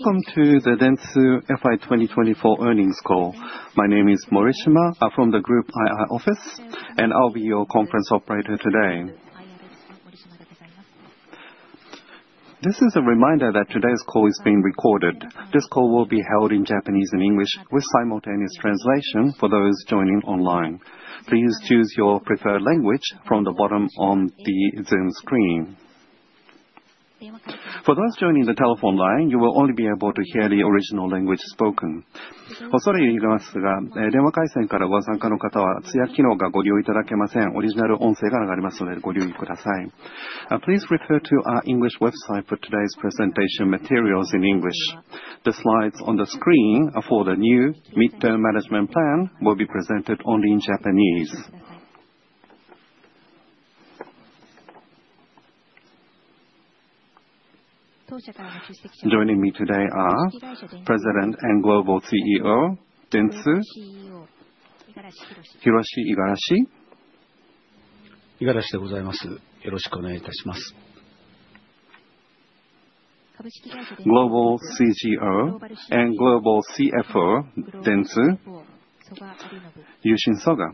Welcome to the Dentsu FY 2024 earnings call. My name is Morishima. I'm from the Group IR office, and I'll be your conference operator today. This is a reminder that today's call is being recorded. This call will be held in Japanese and English, with simultaneous translation for those joining online. Please choose your preferred language from the bottom on the Zoom screen. For those joining the telephone line, you will only be able to hear the original language spoken. 恐れ入りますが、電話回線からご参加の方は通訳機能がご利用いただけません。オリジナル音声が流れますのでご留意ください。Please refer to our English website for today's presentation materials in English. The slides on the screen for the new Midterm Management Plan will be presented only in Japanese. Joining me today are President and Global CEO of Dentsu, Hiroshi Igarashi. 伊賀でございます。よろしくお願いいたします。Global CGO and Global CFO, Dentsu, Yushin Soga.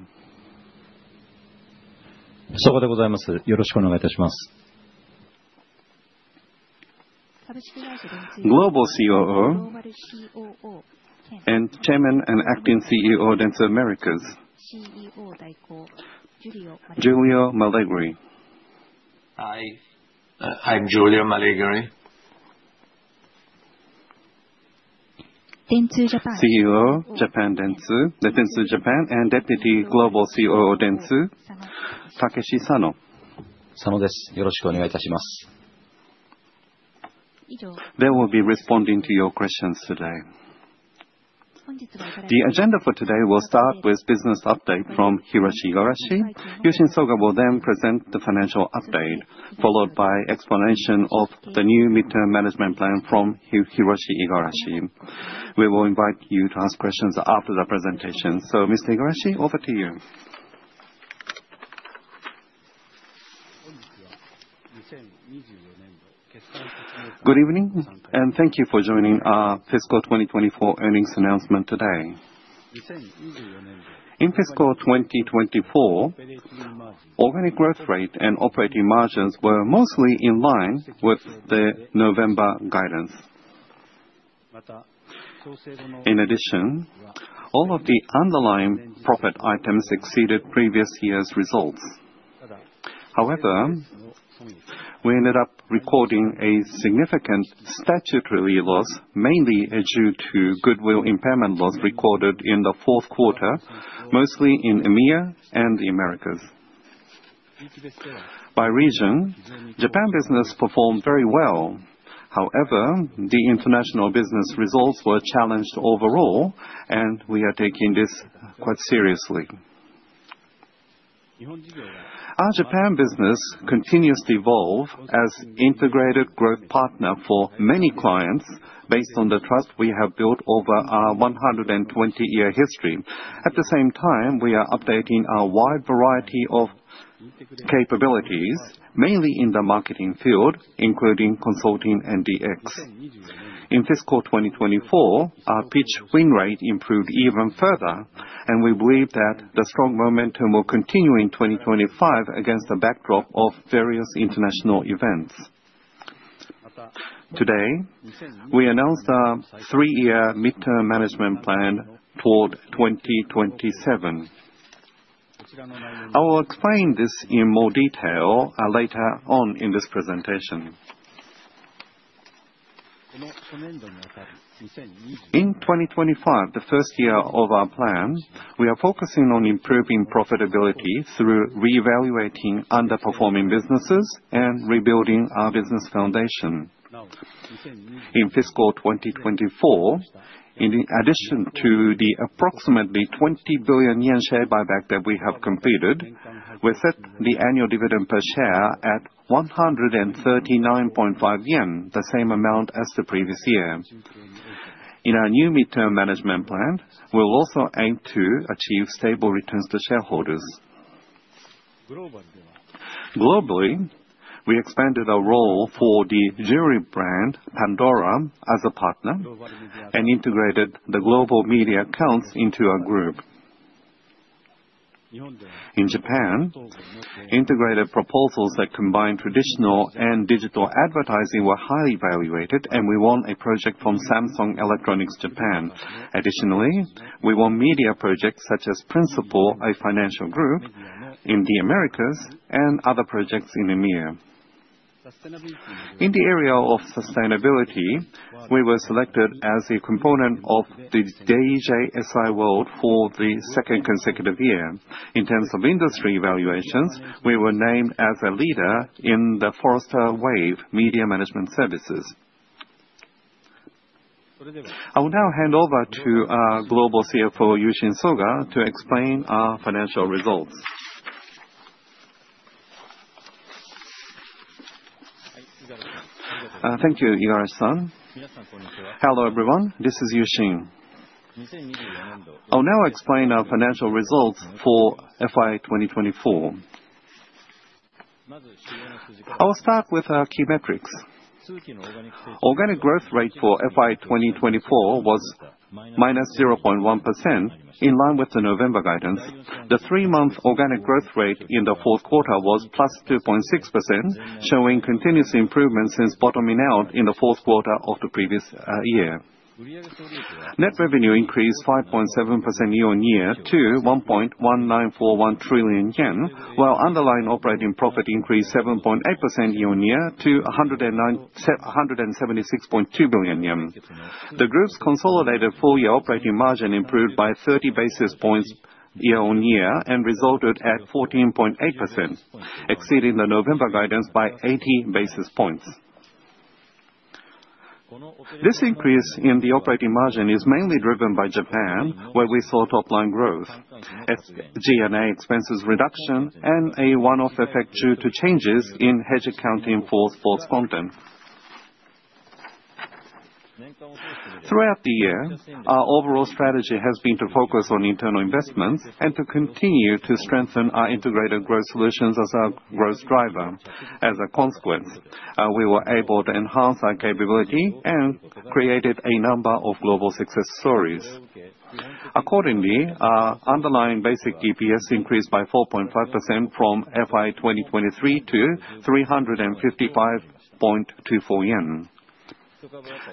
そうでございます。よろしくお願いいたします。Global COO and Chairman and Acting CEO Dentsu Americas. CEO代行、ジュリオ・マレグリ。はい。I'm Giulio Malegori. Dentsu Japan. CEO Japan Dentsu, Dentsu Japan, and Deputy Global COO Dentsu, Takeshi Sano. 佐野です。よろしくお願いいたします。They will be responding to your questions today. The agenda for today will start with business update from Hiroshi Igarashi. Yushin Soga will then present the financial update, followed by explanation of the new midterm management plan from Hiroshi Igarashi. We will invite you to ask questions after the presentation. So, Mr. Igarashi, over to you. Good evening, and thank you for joining our Fiscal 2024 earnings announcement today. In Fiscal 2024, organic growth rate and operating margins were mostly in line with the November guidance. In addition, all of the underlying profit items exceeded previous year's results. However, we ended up recording a significant statutory loss, mainly due to goodwill impairment loss recorded in the fourth quarter, mostly in EMEA and the Americas. By region, Japan business performed very well. However, the international business results were challenged overall, and we are taking this quite seriously. Our Japan business continues to evolve as integrated growth partner for many clients based on the trust we have built over our 120-year history. At the same time, we are updating our wide variety of capabilities, mainly in the marketing field, including consulting and DX. In Fiscal 2024, our pitch win rate improved even further, and we believe that the strong momentum will continue in 2025 against the backdrop of various international events. Today, we announced our three-year Midterm Management Plan toward 2027. I will explain this in more detail later on in this presentation. In 2025, the first year of our plan, we are focusing on improving profitability through reevaluating underperforming businesses and rebuilding our business foundation. In Fiscal 2024, in addition to the approximately 20 billion yen share buyback that we have completed, we set the annual dividend per share at 139.5 yen, the same amount as the previous year. In our new Midterm Management Plan, we will also aim to achieve stable returns to shareholders. Globally, we expanded our role for the global brand Pandora as a partner and integrated the global media accounts into our group. In Japan, integrated proposals that combine traditional and digital advertising were highly valued, and we won a project from Samsung Electronics Japan. Additionally, we won media projects such as Principal Financial Group in the Americas, and other projects in EMEA. In the area of sustainability, we were selected as a component of the DJSI World for the second consecutive year. In terms of industry evaluations, we were named as a leader in the Forrester Wave Media Management Services. I will now hand over to our Global CFO, Yushin Soga, to explain our financial results. Thank you, Igarashi. Hello everyone, this is Yushin. I'll now explain our financial results for FY 2024. I will start with our key metrics. Organic growth rate for FY 2024 was -0.1% in line with the November guidance. The three-month organic growth rate in the fourth quarter was plus 2.6%, showing continuous improvement since bottoming out in the fourth quarter of the previous year. Net revenue increased 5.7% year on year to 1.1941 trillion yen, while underlying operating profit increased 7.8% year on year to 176.2 billion yen. The group's consolidated four-year operating margin improved by 30 basis points year on year and resulted at 14.8%, exceeding the November guidance by 80 basis points. This increase in the operating margin is mainly driven by Japan, where we saw top-line growth, G&A expenses reduction, and a one-off effect due to changes in hedge accounting for sports content. Throughout the year, our overall strategy has been to focus on internal investments and to continue to strengthen our Integrated Growth Solutions as our growth driver. As a consequence, we were able to enhance our capability and created a number of global success stories. Accordingly, our underlying basic EPS increased by 4.5% from FY 2023 to 355.24 yen.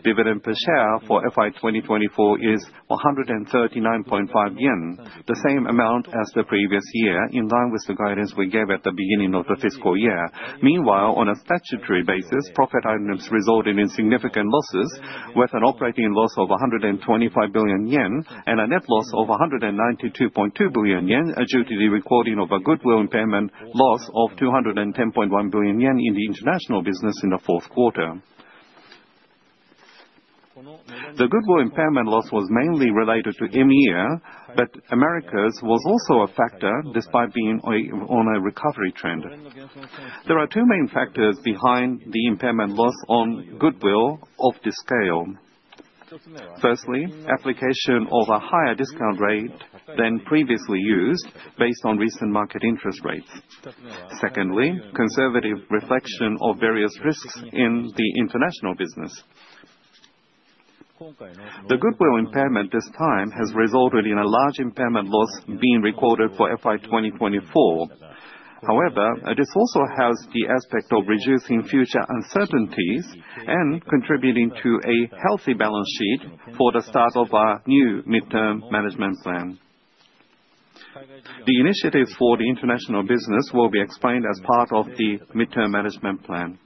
Dividend per share for FY 2024 is 139.5 yen, the same amount as the previous year, in line with the guidance we gave at the beginning of the fiscal year. Meanwhile, on a statutory basis, profit items resulted in significant losses, with an operating loss of 125 billion yen and a net loss of 192.2 billion yen, due to the recording of a goodwill impairment loss of 210.1 billion yen in the international business in the fourth quarter. The goodwill impairment loss was mainly related to EMEA, but Americas was also a factor despite being on a recovery trend. There are two main factors behind the impairment loss on goodwill of this scale. Firstly, application of a higher discount rate than previously used based on recent market interest rates. Secondly, conservative reflection of various risks in the international business. The goodwill impairment this time has resulted in a large impairment loss being recorded for FY 2024. However, this also has the aspect of reducing future uncertainties and contributing to a healthy balance sheet for the start of our new Midterm Management Plan. The initiatives for the international business will be explained as part of the Midterm Management Plan.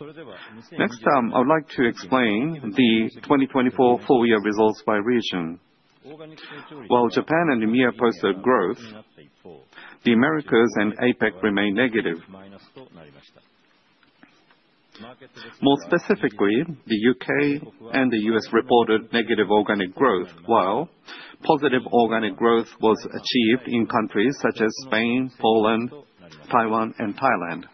Next, I would like to explain the FY 2024 full-year results by region. While Japan and EMEA posted growth, the Americas and APAC remained negative. More specifically, the U.K. and the U.S. reported negative organic growth, while positive organic growth was achieved in countries such as Spain, Poland, Taiwan, and Thailand.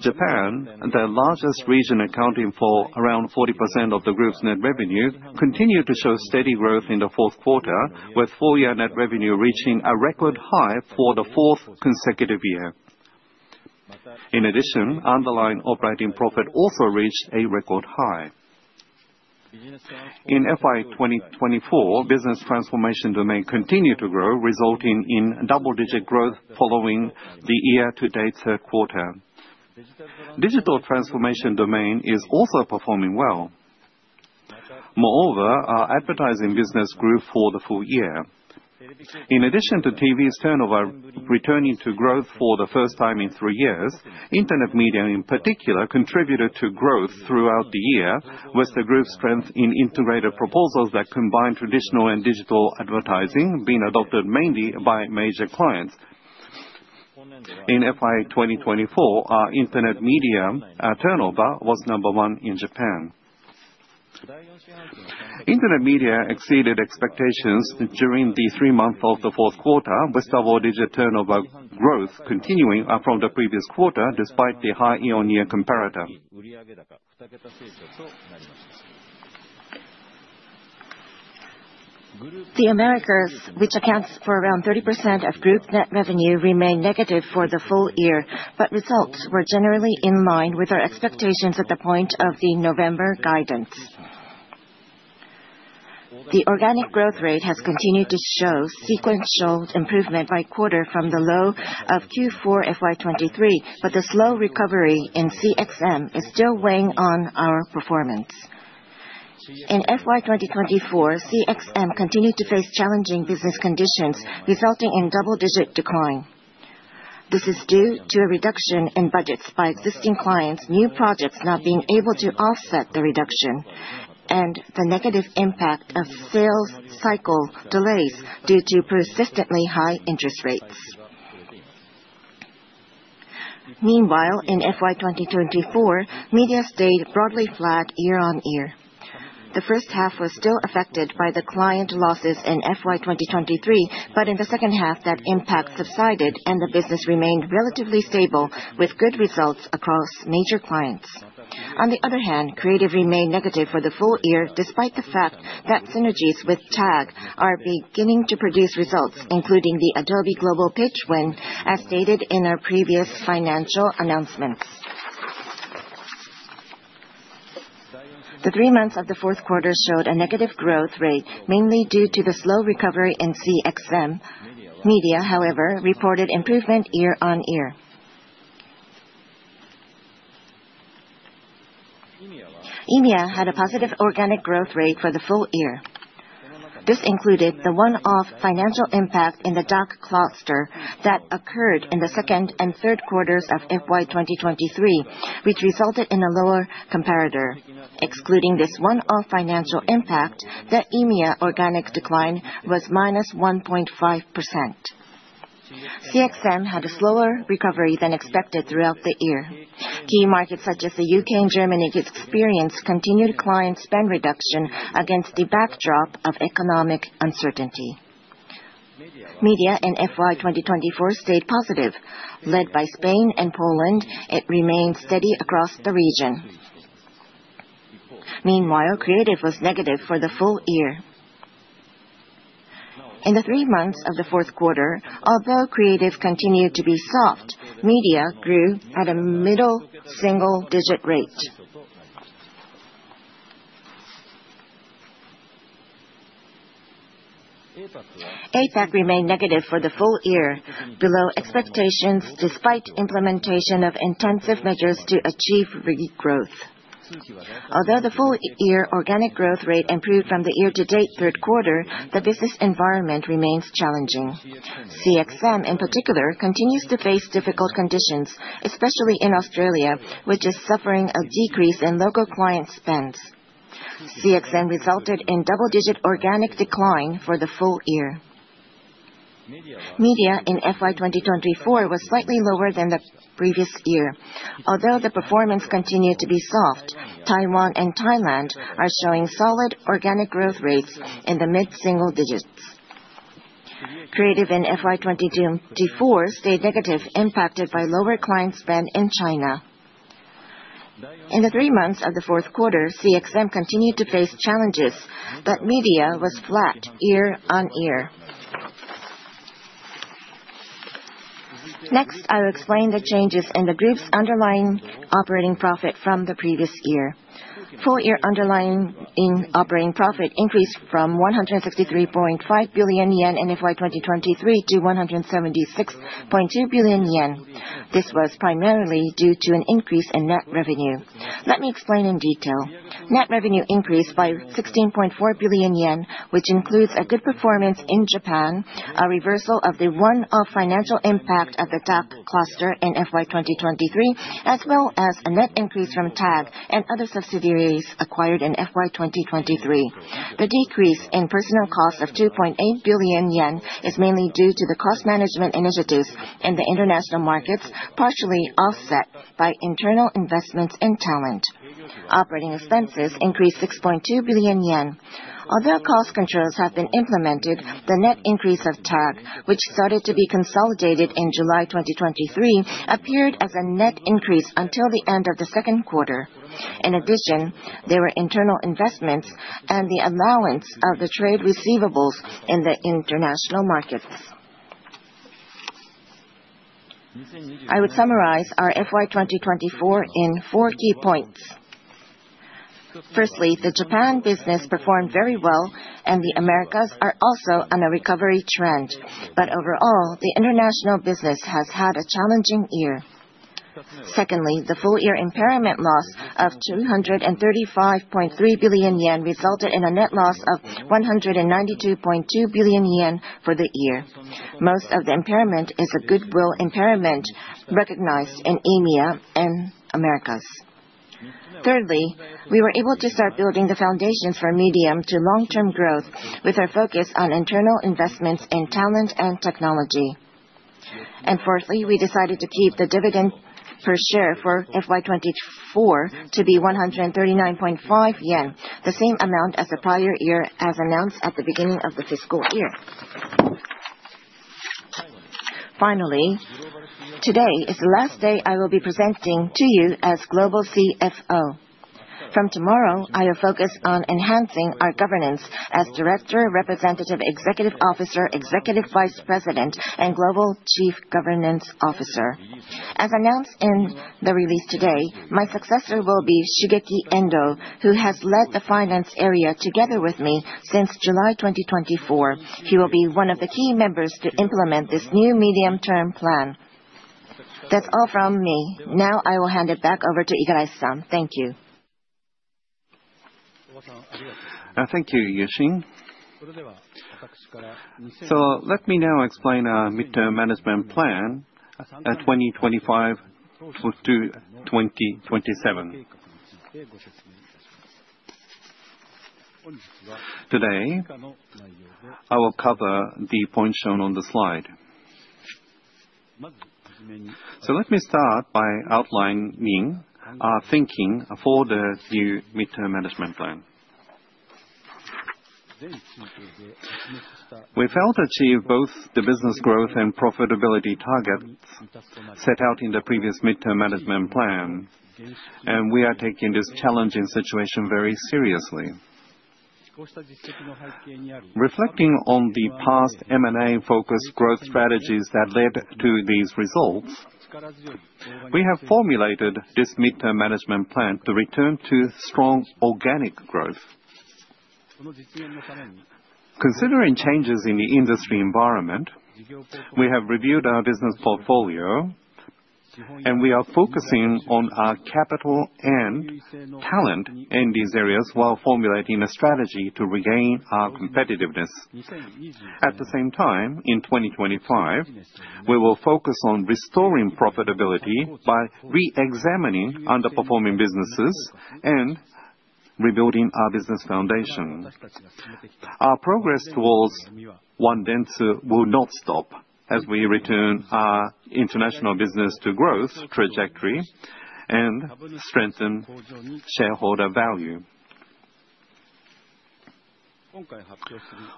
Japan, the largest region accounting for around 40% of the group's net revenue, continued to show steady growth in the fourth quarter, with FY 2024 net revenue reaching a record high for the fourth consecutive year. In addition, underlying operating profit also reached a record high. In FY 2024, business transformation domain continued to grow, resulting in double-digit growth following the year-to-date third quarter. Digital transformation domain is also performing well. Moreover, our advertising business grew for the full year. In addition to TV's turnover, returning to growth for the first time in three years, internet media in particular contributed to growth throughout the year, with the group's strength in integrated proposals that combine traditional and digital advertising being adopted mainly by major clients. In FY 2024, our internet media turnover was number one in Japan. Internet media exceeded expectations during the three months of the fourth quarter, with double-digit turnover growth continuing from the previous quarter despite the high year-on-year comparator. The Americas, which accounts for around 30% of group net revenue, remained negative for the full year, but results were generally in line with our expectations at the point of the November guidance. The organic growth rate has continued to show sequential improvement by quarter from the low of Q4 FY 23, but the slow recovery in CXM is still weighing on our performance. In FY 2024, CXM continued to face challenging business conditions, resulting in double-digit decline. This is due to a reduction in budgets by existing clients, new projects not being able to offset the reduction, and the negative impact of sales cycle delays due to persistently high interest rates. Meanwhile, in FY 2024, media stayed broadly flat year on year. The first half was still affected by the client losses in FY 2023, but in the second half, that impact subsided and the business remained relatively stable with good results across major clients. On the other hand, creative remained negative for the full year despite the fact that synergies with Tag are beginning to produce results, including the Adobe Global Pitch Win, as stated in our previous financial announcements. The three months of the fourth quarter showed a negative growth rate, mainly due to the slow recovery in CXM. Media, however, reported improvement year on year. EMEA had a positive organic growth rate for the full year. This included the one-off financial impact in the DACH cluster that occurred in the second and third quarters of FY 2023, which resulted in a lower comparator. Excluding this one-off financial impact, the EMEA organic decline was -1.5%. CXM had a slower recovery than expected throughout the year. Key markets such as the UK and Germany experienced continued client spend reduction against the backdrop of economic uncertainty. Media in FY 2024 stayed positive. Led by Spain and Poland, it remained steady across the region. Meanwhile, creative was negative for the full year. In the three months of the fourth quarter, although creative continued to be soft, media grew at a middle single-digit rate. APAC remained negative for the full year, below expectations despite implementation of intensive measures to achieve regrowth. Although the full-year organic growth rate improved from the year-to-date third quarter, the business environment remains challenging. CXM, in particular, continues to face difficult conditions, especially in Australia, which is suffering a decrease in local client spends. CXM resulted in double-digit organic decline for the full year. Media in FY 2024 was slightly lower than the previous year. Although the performance continued to be soft, Taiwan and Thailand are showing solid organic growth rates in the mid-single digits. Creative in FY 2024 stayed negative, impacted by lower client spend in China. In the three months of the fourth quarter, CXM continued to face challenges, but media was flat year on year. Next, I will explain the changes in the group's underlying operating profit from the previous year. Full-year underlying operating profit increased from 163.5 billion yen in FY 2023 to 176.2 billion yen. This was primarily due to an increase in net revenue. Let me explain in detail. Net revenue increased by 16.4 billion yen, which includes a good performance in Japan, a reversal of the one-off financial impact of the DACH cluster in FY 2023, as well as a net increase from Tag and other subsidiaries acquired in FY 2023. The decrease in personal costs of 2.8 billion yen is mainly due to the cost management initiatives in the international markets, partially offset by internal investments and talent. Operating expenses increased 6.2 billion yen. Although cost controls have been implemented, the net increase of Tag, which started to be consolidated in July 2023, appeared as a net increase until the end of the second quarter. In addition, there were internal investments and the allowance of the trade receivables in the international markets. I would summarize our FY 2024 in four key points. Firstly, the Japan business performed very well, and the Americas are also on a recovery trend. But overall, the international business has had a challenging year. Secondly, the full-year impairment loss of 235.3 billion yen resulted in a net loss of 192.2 billion for the year. Most of the impairment is a goodwill impairment recognized in EMEA and Americas. Thirdly, we were able to start building the foundations for medium to long-term growth with our focus on internal investments in talent and technology. And fourthly, we decided to keep the dividend per share for FY 2024 to be 139.5 yen, the same amount as the prior year as announced at the beginning of the fiscal year. Finally, today is the last day I will be presenting to you as Global CFO. From tomorrow, I will focus on enhancing our governance as Director, Representative Executive Officer, Executive Vice President, and Global Chief Governance Officer. As announced in the release today, my successor will be Shigeki Endo, who has led the finance area together with me since July 2024. He will be one of the key members to implement this new medium-term plan. That's all from me. Now I will hand it back over to Igarashi. Thank you. Thank you, Yushin. Let me now explain our Midterm Management Plan at 2025 to 2027. Today, I will cover the points shown on the slide. Let me start by outlining our thinking for the new Midterm Management Plan. We failed to achieve both the business growth and profitability targets set out in the previous Midterm Management Plan, and we are taking this challenging situation very seriously. Reflecting on the past M&A-focused growth strategies that led to these results, we have formulated this midterm management plan to return to strong organic growth. Considering changes in the industry environment, we have reviewed our business portfolio, and we are focusing our capital and talent in these areas while formulating a strategy to regain our competitiveness. At the same time, in 2025, we will focus on restoring profitability by re-examining underperforming businesses and rebuilding our business foundation. Our progress towards One Dentsu will not stop as we return our international business to growth trajectory and strengthen shareholder value.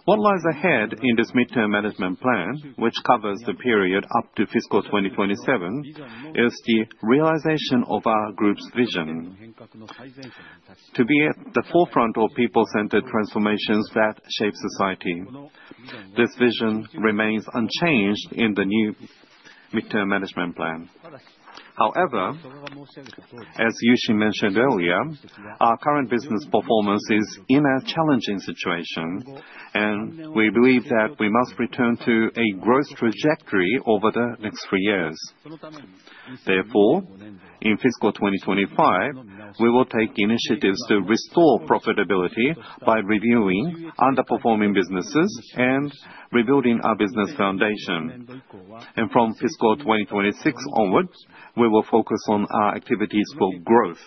What lies ahead in this midterm management plan, which covers the period up to fiscal 2027, is the realization of our group's vision to be at the forefront of people-centered transformations that shape society. This vision remains unchanged in the new midterm management plan. However, as Yushin mentioned earlier, our current business performance is in a challenging situation, and we believe that we must return to a growth trajectory over the next three years. Therefore, in fiscal 2025, we will take initiatives to restore profitability by reviewing underperforming businesses and rebuilding our business foundation. And from fiscal 2026 onward, we will focus on our activities for growth.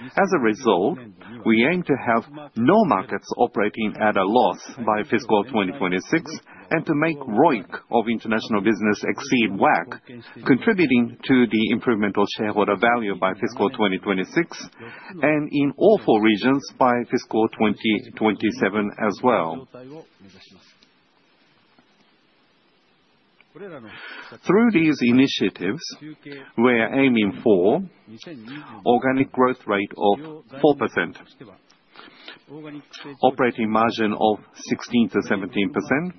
As a result, we aim to have no markets operating at a loss by fiscal 2026 and to make ROIC of international business exceed WACC, contributing to the improvement of shareholder value by fiscal 2026 and in all four regions by fiscal 2027 as well. Through these initiatives, we are aiming for an organic growth rate of 4%, operating margin of 16%-17%,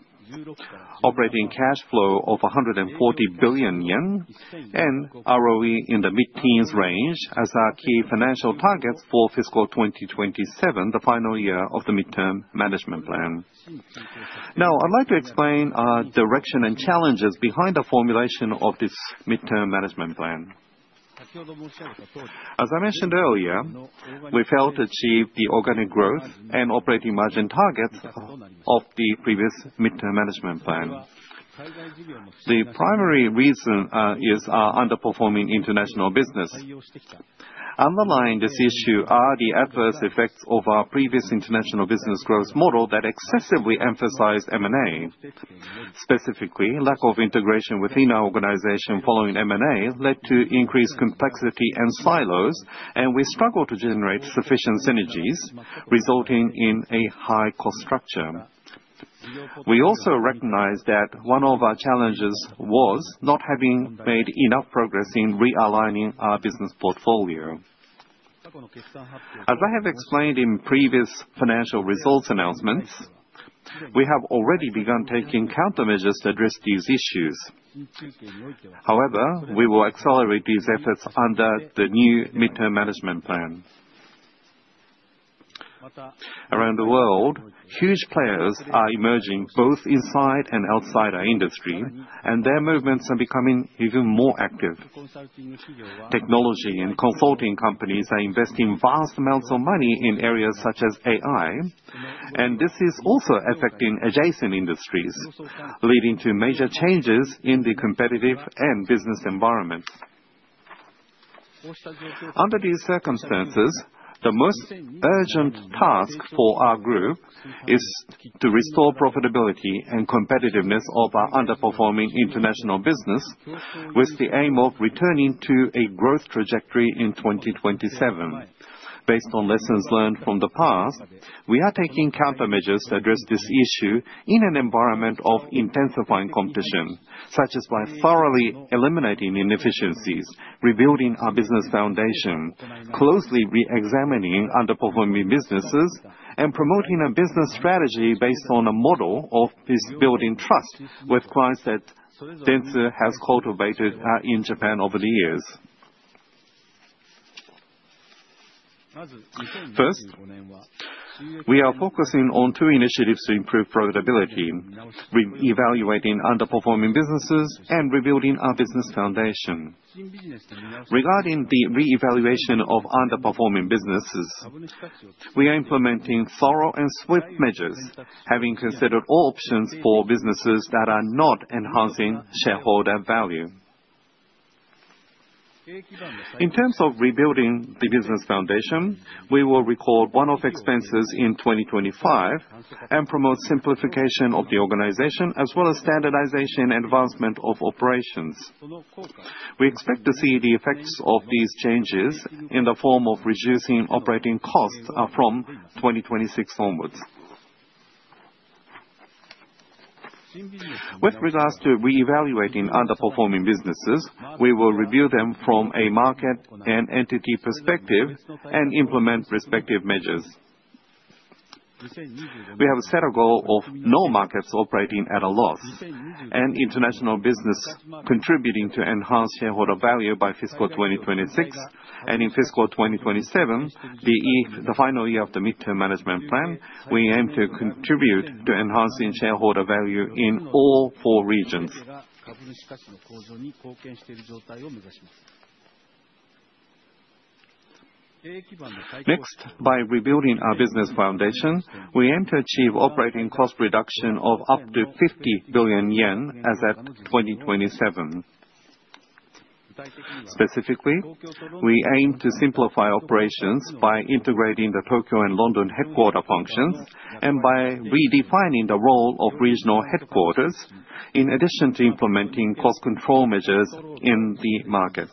operating cash flow of 140 billion yen, and ROE in the mid-teens range as our key financial targets for fiscal 2027, the final year of the midterm management plan. Now, I'd like to explain our direction and challenges behind the formulation of this midterm management plan. As I mentioned earlier, we failed to achieve the organic growth and operating margin targets of the previous midterm management plan. The primary reason is our underperforming international business. Underlying this issue are the adverse effects of our previous international business growth model that excessively emphasized M&A. Specifically, lack of integration within our organization following M&A led to increased complexity and silos, and we struggled to generate sufficient synergies, resulting in a high-cost structure. We also recognize that one of our challenges was not having made enough progress in realigning our business portfolio. As I have explained in previous financial results announcements, we have already begun taking countermeasures to address these issues. However, we will accelerate these efforts under the new midterm management plan. Around the world, huge players are emerging both inside and outside our industry, and their movements are becoming even more active. Technology and consulting companies are investing vast amounts of money in areas such as AI, and this is also affecting adjacent industries, leading to major changes in the competitive and business environment. Under these circumstances, the most urgent task for our group is to restore profitability and competitiveness of our underperforming international business with the aim of returning to a growth trajectory in 2027. Based on lessons learned from the past, we are taking countermeasures to address this issue in an environment of intensifying competition, such as by thoroughly eliminating inefficiencies, rebuilding our business foundation, closely re-examining underperforming businesses, and promoting a business strategy based on a model of building trust with clients that Dentsu has cultivated in Japan over the years. First, we are focusing on two initiatives to improve profitability, re-evaluating underperforming businesses, and rebuilding our business foundation. Regarding the re-evaluation of underperforming businesses, we are implementing thorough and swift measures, having considered all options for businesses that are not enhancing shareholder value. In terms of rebuilding the business foundation, we will record one-off expenses in 2025 and promote simplification of the organization as well as standardization and advancement of operations. We expect to see the effects of these changes in the form of reducing operating costs from 2026 onwards. With regards to re-evaluating underperforming businesses, we will review them from a market and entity perspective and implement respective measures. We have a set of goals of no markets operating at a loss and international business contributing to enhance shareholder value by fiscal 2026, and in fiscal 2027, the final year of the midterm management plan, we aim to contribute to enhancing shareholder value in all four regions. Next, by rebuilding our business foundation, we aim to achieve operating cost reduction of up to 50 billion yen as at 2027. Specifically, we aim to simplify operations by integrating the Tokyo and London headquarters functions and by redefining the role of regional headquarters, in addition to implementing cost control measures in the market.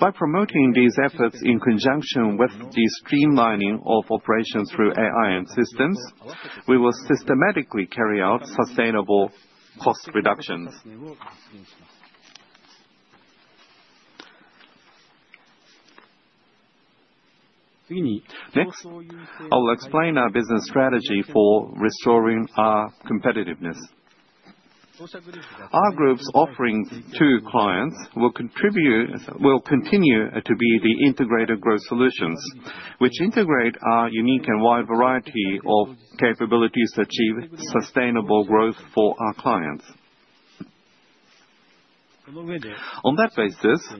By promoting these efforts in conjunction with the streamlining of operations through AI and systems, we will systematically carry out sustainable cost reductions. Next, I will explain our business strategy for restoring our competitiveness. Our group's offerings to clients will continue to be the integrated growth solutions, which integrate our unique and wide variety of capabilities to achieve sustainable growth for our clients. On that basis,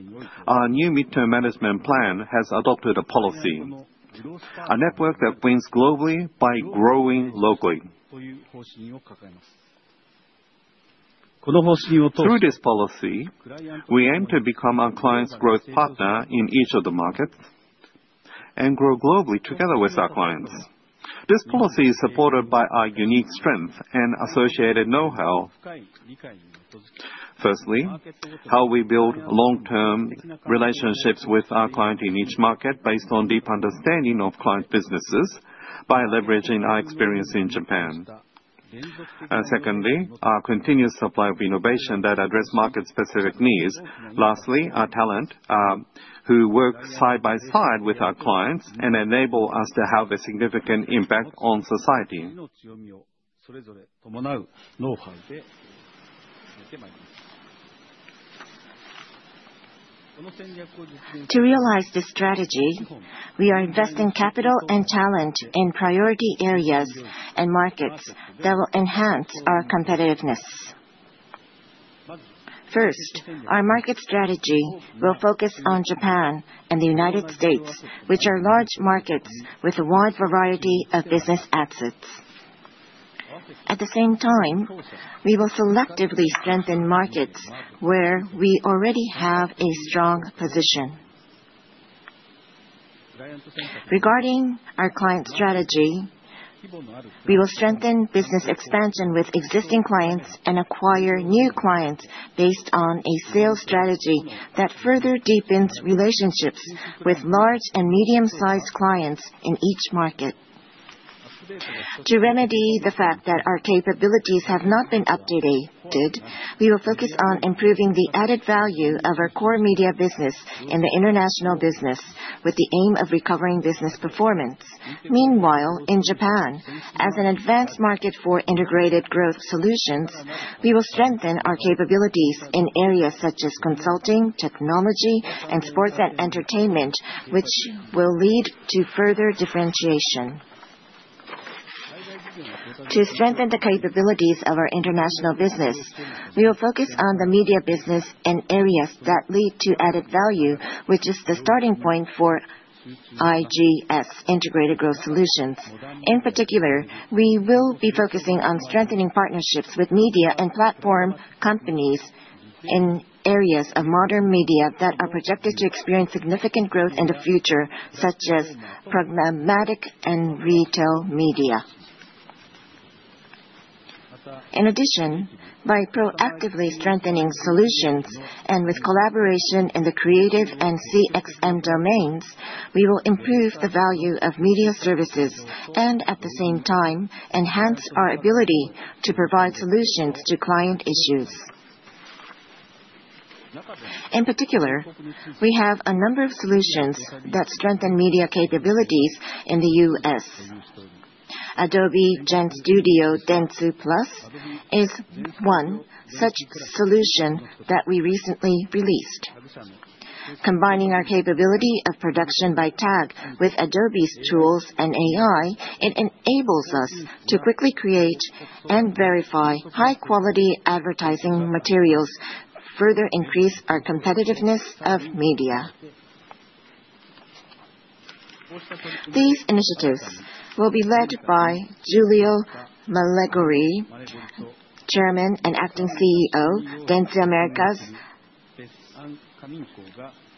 our new midterm management plan has adopted a policy, a network that wins globally by growing locally. Through this policy, we aim to become our client's growth partner in each of the markets and grow globally together with our clients. This policy is supported by our unique strengths and associated know-how. Firstly, how we build long-term relationships with our client in each market based on deep understanding of client businesses by leveraging our experience in Japan. Secondly, our continuous supply of innovation that addresses market-specific needs. Lastly, our talent, who work side by side with our clients and enable us to have a significant impact on society. To realize this strategy, we are investing capital and talent in priority areas and markets that will enhance our competitiveness. First, our market strategy will focus on Japan and the United States, which are large markets with a wide variety of business assets. At the same time, we will selectively strengthen markets where we already have a strong position. Regarding our client strategy, we will strengthen business expansion with existing clients and acquire new clients based on a sales strategy that further deepens relationships with large and medium-sized clients in each market. To remedy the fact that our capabilities have not been updated, we will focus on improving the added value of our core media business in the international business with the aim of recovering business performance. Meanwhile, in Japan, as an advanced market for Integrated Growth Solutions, we will strengthen our capabilities in areas such as consulting, technology, and sports and entertainment, which will lead to further differentiation. To strengthen the capabilities of our international business, we will focus on the media business and areas that lead to added value, which is the starting point for IGS Integrated Growth Solutions. In particular, we will be focusing on strengthening partnerships with media and platform companies in areas of modern media that are projected to experience significant growth in the future, such as programmatic and retail media. In addition, by proactively strengthening solutions and with collaboration in the creative and CXM domains, we will improve the value of media services and, at the same time, enhance our ability to provide solutions to client issues. In particular, we have a number of solutions that strengthen media capabilities in the U.S. Adobe GenStudio Dentsu is one such solution that we recently released. Combining our capability of production by Tag with Adobe's tools and AI, it enables us to quickly create and verify high-quality advertising materials, further increasing our competitiveness of media. These initiatives will be led by Giulio Malegori, Chairman and Acting CEO of Dentsu Americas,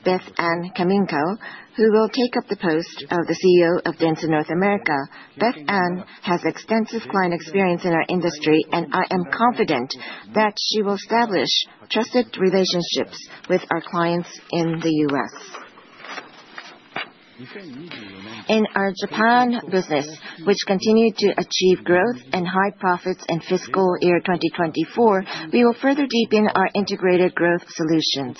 Beth Ann Kaminkow, who will take up the post of the CEO of Dentsu North America. Beth Ann has extensive client experience in our industry, and I am confident that she will establish trusted relationships with our clients in the U.S. In our Japan business, which continued to achieve growth and high profits in fiscal year 2024, we will further deepen our Integrated Growth Solutions.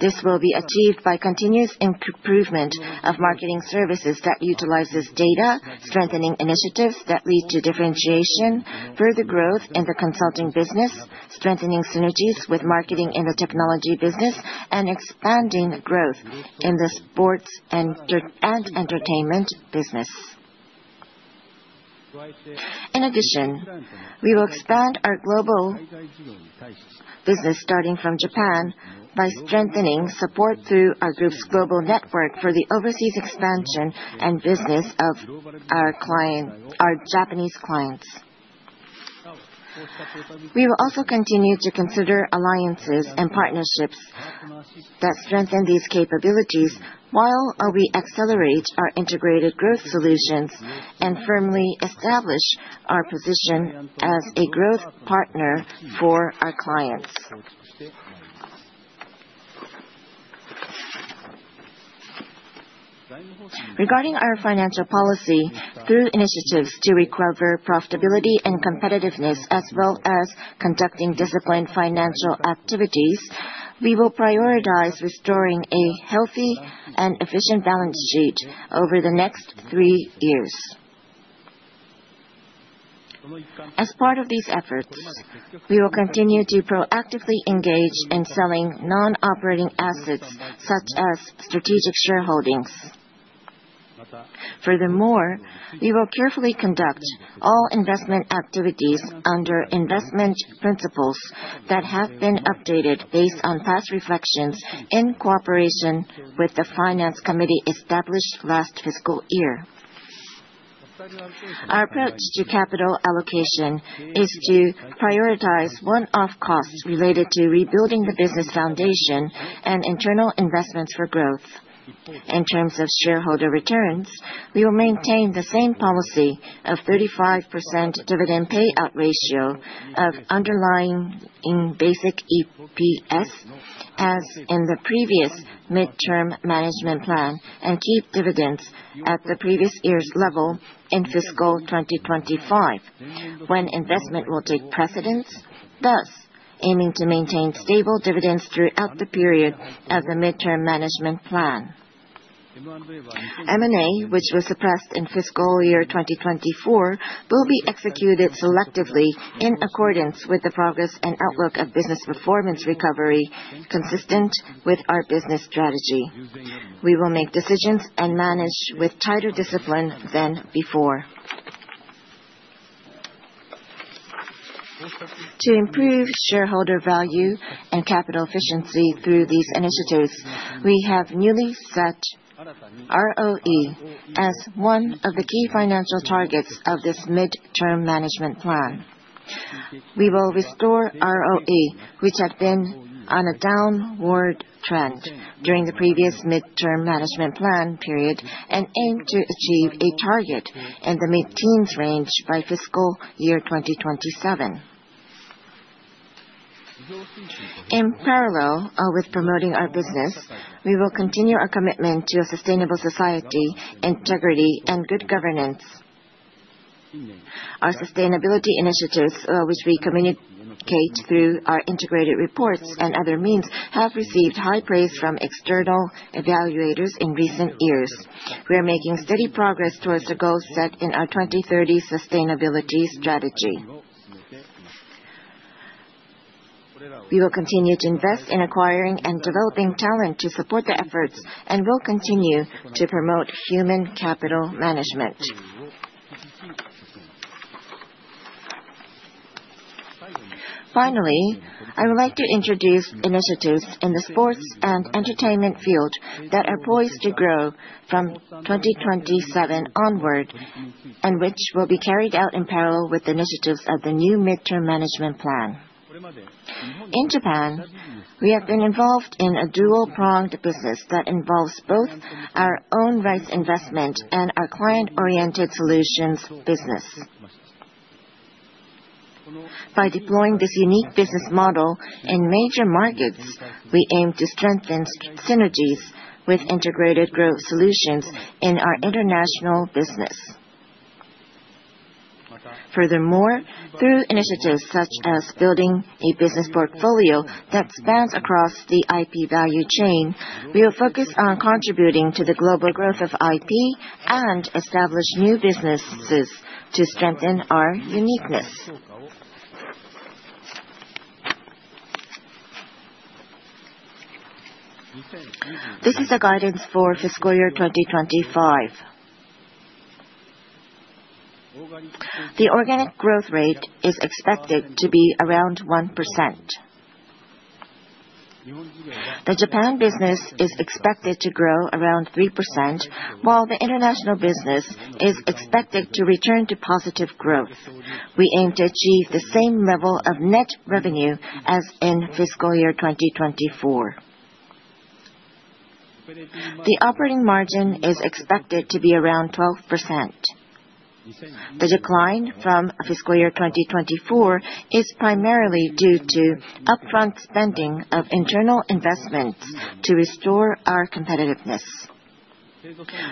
This will be achieved by continuous improvement of marketing services that utilize data, strengthening initiatives that lead to differentiation, further growth in the consulting business, strengthening synergies with marketing in the technology business, and expanding growth in the sports and entertainment business. In addition, we will expand our global business, starting from Japan, by strengthening support through our group's global network for the overseas expansion and business of our Japanese clients. We will also continue to consider alliances and partnerships that strengthen these capabilities while we accelerate our Integrated Growth Solutions and firmly establish our position as a growth partner for our clients. Regarding our financial policy, through initiatives to recover profitability and competitiveness, as well as conducting disciplined financial activities, we will prioritize restoring a healthy and efficient balance sheet over the next three years. As part of these efforts, we will continue to proactively engage in selling non-operating assets such as strategic shareholdings. Furthermore, we will carefully conduct all investment activities under investment principles that have been updated based on past reflections in cooperation with the Finance Committee established last fiscal year. Our approach to capital allocation is to prioritize one-off costs related to rebuilding the business foundation and internal investments for growth. In terms of shareholder returns, we will maintain the same policy of 35% dividend payout ratio of underlying basic EPS as in the previous midterm management plan and keep dividends at the previous year's level in fiscal 2025, when investment will take precedence, thus aiming to maintain stable dividends throughout the period as a midterm management plan. M&A, which was suppressed in fiscal year 2024, will be executed selectively in accordance with the progress and outlook of business performance recovery consistent with our business strategy. We will make decisions and manage with tighter discipline than before. To improve shareholder value and capital efficiency through these initiatives, we have newly set ROE as one of the key financial targets of this midterm management plan. We will restore ROE, which had been on a downward trend during the previous midterm management plan period, and aim to achieve a target in the mid-teens range by fiscal year 2027. In parallel with promoting our business, we will continue our commitment to a sustainable society, integrity, and good governance. Our sustainability initiatives, which we communicate through our integrated reports and other means, have received high praise from external evaluators in recent years. We are making steady progress towards the goals set in our 2030 sustainability strategy. We will continue to invest in acquiring and developing talent to support the efforts and will continue to promote human capital management. Finally, I would like to introduce initiatives in the sports and entertainment field that are poised to grow from 2027 onward and which will be carried out in parallel with the initiatives of the new midterm management plan. In Japan, we have been involved in a dual-pronged business that involves both our own rights investment and our client-oriented solutions business. By deploying this unique business model in major markets, we aim to strengthen synergies with Integrated Growth Solutions in our international business. Furthermore, through initiatives such as building a business portfolio that spans across the IP value chain, we will focus on contributing to the global growth of IP and establish new businesses to strengthen our uniqueness. This is the guidance for fiscal year 2025. The organic growth rate is expected to be around 1%. The Japan business is expected to grow around 3%, while the international business is expected to return to positive growth. We aim to achieve the same level of net revenue as in fiscal year 2024. The operating margin is expected to be around 12%. The decline from fiscal year 2024 is primarily due to upfront spending of internal investments to restore our competitiveness.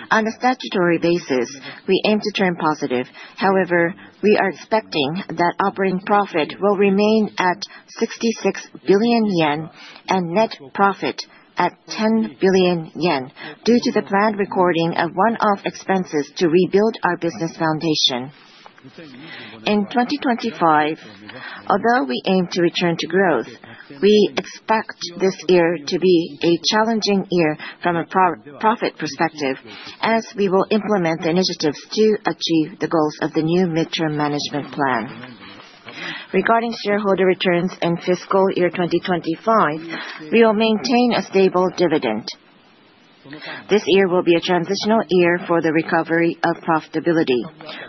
On a statutory basis, we aim to turn positive. However, we are expecting that operating profit will remain at 66 billion yen and net profit at 10 billion yen due to the planned recording of one-off expenses to rebuild our business foundation. In 2025, although we aim to return to growth, we expect this year to be a challenging year from a profit perspective as we will implement the initiatives to achieve the goals of the new Midterm Management Plan. Regarding shareholder returns in fiscal year 2025, we will maintain a stable dividend. This year will be a transitional year for the recovery of profitability.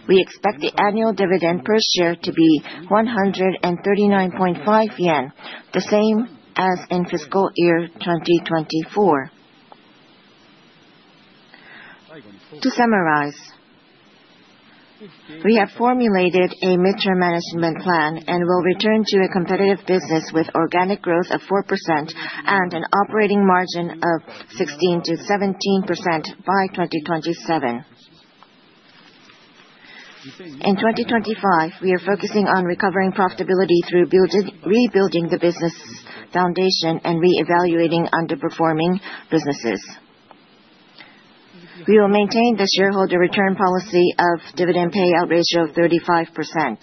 We expect the annual dividend per share to be 139.5 yen, the same as in fiscal year 2024. To summarize, we have formulated a midterm management plan and will return to a competitive business with organic growth of 4% and an operating margin of 16%-17% by 2027. In 2025, we are focusing on recovering profitability through rebuilding the business foundation and reevaluating underperforming businesses. We will maintain the shareholder return policy of dividend payout ratio of 35%.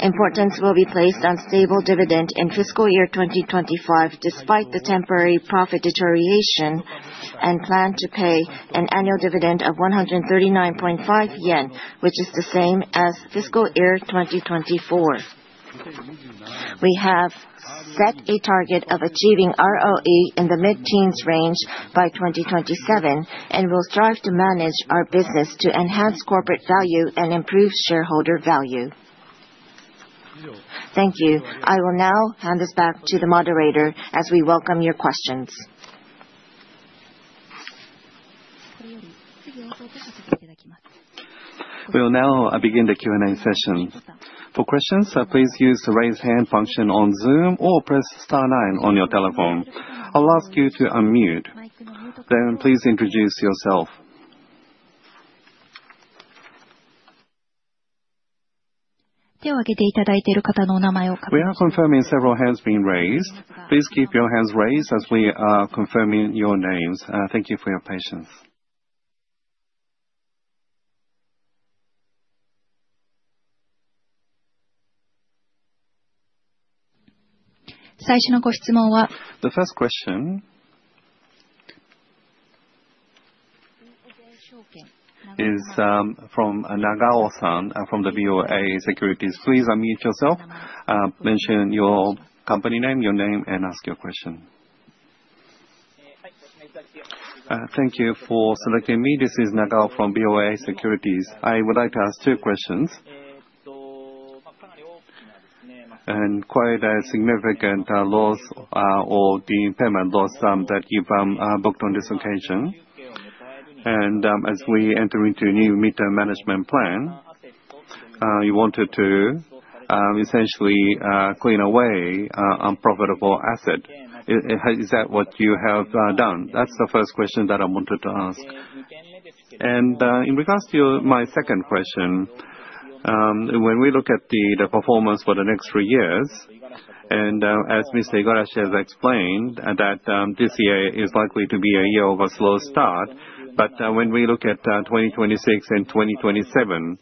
Importance will be placed on stable dividend in fiscal year 2025 despite the temporary profit deterioration and plan to pay an annual dividend of 139.5 yen, which is the same as fiscal year 2024. We have set a target of achieving ROE in the mid-teens range by 2027 and will strive to manage our business to enhance corporate value and improve shareholder value. Thank you. I will now hand this back to the moderator as we welcome your questions. We will now begin the Q&A session. For questions, please use the raise hand function on Zoom or press star 9 on your telephone. I'll ask you to unmute. Then please introduce yourself. We are confirming several hands being raised. Please keep your hands raised as we are confirming your names. Thank you for your patience. The first question is from Nagao-san from the BofA Securities. Please unmute yourself. Mention your company name, your name, and ask your question. Thank you for selecting me. This is Nagao from BofA Securities. I would like to ask two questions. And quite a significant loss or the impairment loss that you've booked on this occasion. And as we enter into a new midterm management plan, you wanted to essentially clean away unprofitable assets. Is that what you have done? That's the first question that I wanted to ask. In regards to my second question, when we look at the performance for the next three years, and as Mr. Igarashi has explained, that this year is likely to be a year of a slow start, but when we look at 2026 and 2027,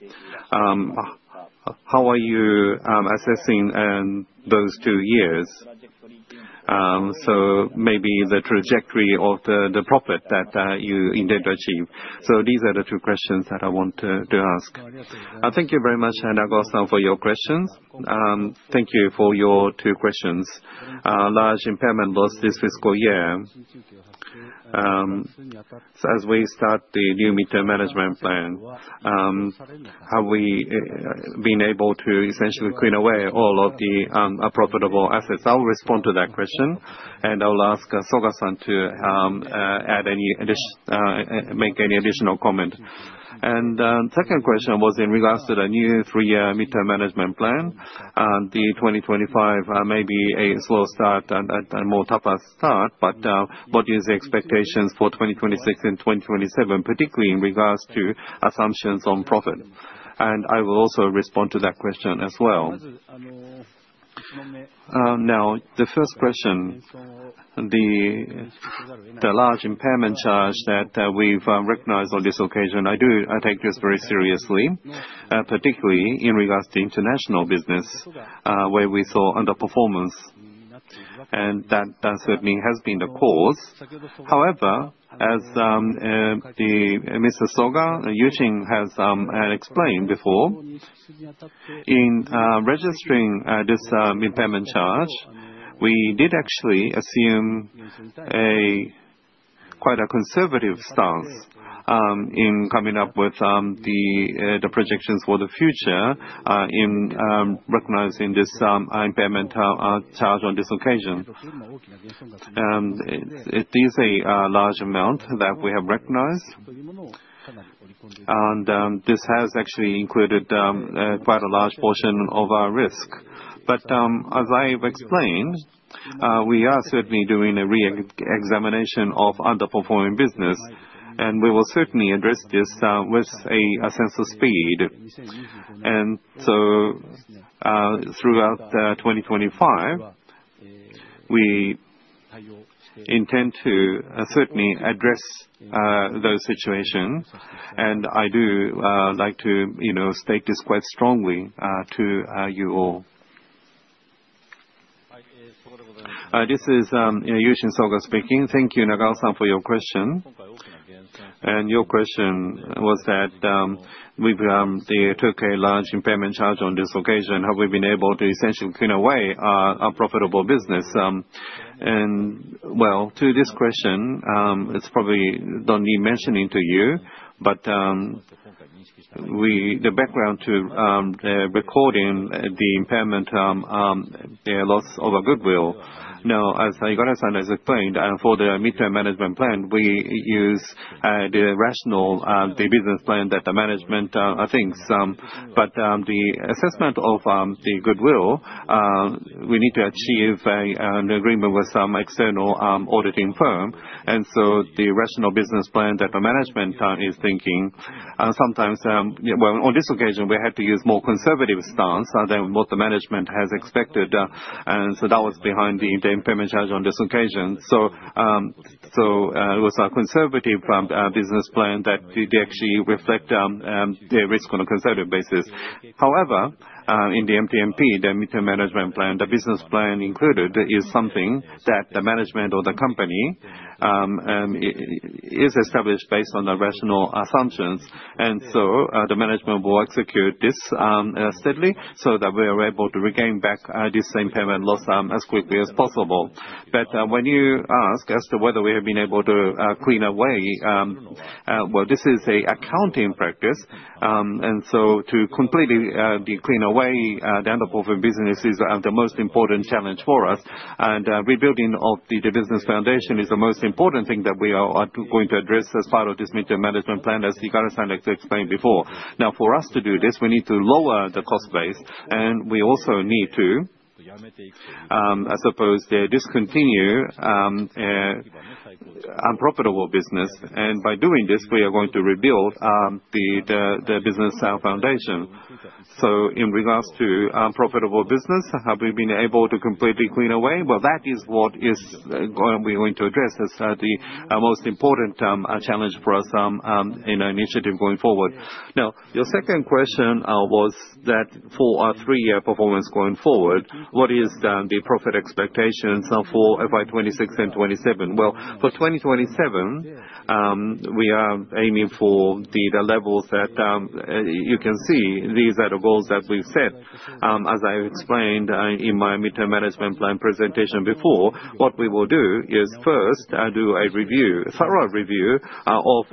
how are you assessing those two years? Maybe the trajectory of the profit that you intend to achieve. These are the two questions that I want to ask. Thank you very much, Nagao-san, for your questions. Thank you for your two questions. Large impairment loss this fiscal year. As we start the new midterm management plan, have we been able to essentially clean away all of the unprofitable assets? I'll respond to that question, and I'll ask Soga-san to add any additional comment. The second question was in regards to the new three-year midterm management plan. The 2025 may be a slow start and more tougher start, but what is the expectation for 2026 and 2027, particularly in regards to assumptions on profit. And I will also respond to that question as well. Now, the first question, the large impairment charge that we've recognized on this occasion, I take this very seriously, particularly in regards to international business, where we saw underperformance, and that certainly has been the cause. However, as Mr. Soga Yushin has explained before, in registering this impairment charge, we did actually assume quite a conservative stance in coming up with the projections for the future in recognizing this impairment charge on this occasion. It is a large amount that we have recognized, and this has actually included quite a large portion of our risk. But as I've explained, we are certainly doing a re-examination of underperforming business, and we will certainly address this with a sense of speed. And so throughout 2025, we intend to certainly address those situations, and I do like to state this quite strongly to you all. This is Yushin Soga speaking. Thank you, Nagao-san, for your question. And your question was that they took a large impairment charge on this occasion. Have we been able to essentially clean away our profitable business? And well, to this question, it's probably not needed to mention to you, but the background to recording the impairment loss of a goodwill. Now, as Igarashi-san has explained, for the midterm management plan, we use the rationale, the business plan that the management thinks. But the assessment of the goodwill, we need to achieve an agreement with some external auditing firm. And so, the rational business plan that the management is thinking. Sometimes on this occasion, we had to use more conservative stance than what the management has expected. And so, that was behind the impairment charge on this occasion. So, it was a conservative business plan that did actually reflect the risk on a conservative basis. However, in the MTMP, the Midterm Management Plan, the business plan included is something that the management or the company is established based on the rational assumptions. And so, the management will execute this steadily so that we are able to regain back this impairment loss as quickly as possible. But when you ask as to whether we have been able to clean away, well, this is an accounting practice. And so, to completely clean away the underperforming business is the most important challenge for us. Rebuilding of the business foundation is the most important thing that we are going to address as part of this midterm management plan, as Igarashi explained before. Now, for us to do this, we need to lower the cost base, and we also need to, I suppose, discontinue unprofitable business. And by doing this, we are going to rebuild the business foundation. So in regards to profitable business, have we been able to completely clean away? Well, that is what we're going to address as the most important challenge for us in our initiative going forward. Now, your second question was that for our three-year performance going forward, what is the profit expectations for FY26 and FY27? Well, for 2027, we are aiming for the levels that you can see. These are the goals that we've set. As I explained in my Midterm Management Plan presentation before, what we will do is first do a thorough review of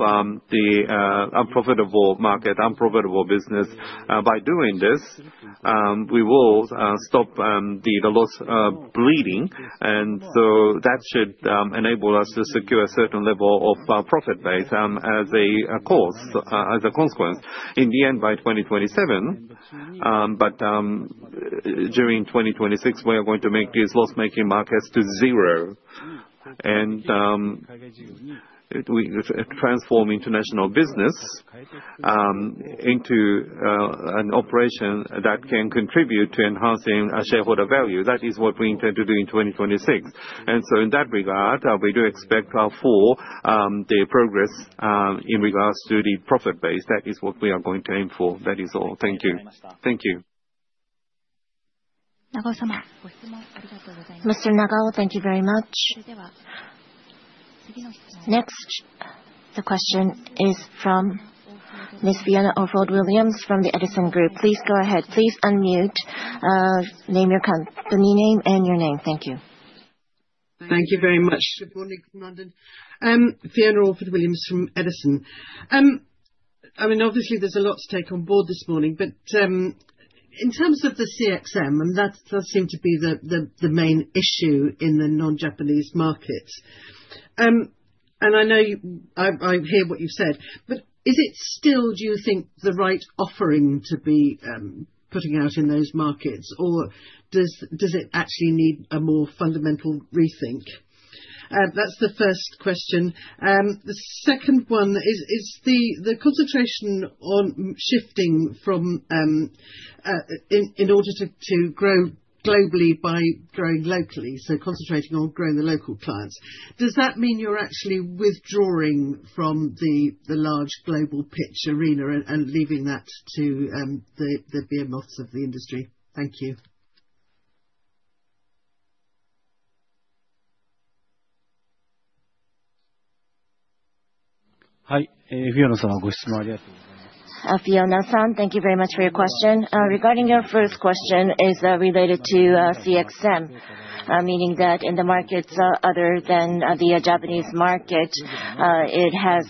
the unprofitable market, unprofitable business. By doing this, we will stop the loss bleeding, and so that should enable us to secure a certain level of profit base as a consequence. In the end, by 2027, but during 2026, we are going to make these loss-making markets to zero and transform international business into an operation that can contribute to enhancing shareholder value. That is what we intend to do in 2026. And so in that regard, we do expect to forward the progress in regards to the profit base. That is what we are going to aim for. That is all. Thank you. Thank you. Mr. Nagao, thank you very much. Next, the question is from Ms. Fiona Orford-Williams from the Edison Group. Please go ahead. Please unmute. Name your company name and your name. Thank you. Thank you very much. Fiona Orford-Williams from Edison. I mean, obviously, there's a lot to take on board this morning, but in terms of the CXM, and that does seem to be the main issue in the non-Japanese markets. I know I hear what you've said, but is it still, do you think, the right offering to be putting out in those markets, or does it actually need a more fundamental rethink? That's the first question. The second one is the concentration on shifting in order to grow globally by growing locally, so concentrating on growing the local clients. Does that mean you're actually withdrawing from the large global pitch arena and leaving that to the behemoths of the industry? Thank you. Hi, Fiona-san, thank you very much for your question. Regarding your first question, it is related to CXM, meaning that in the markets other than the Japanese market, it has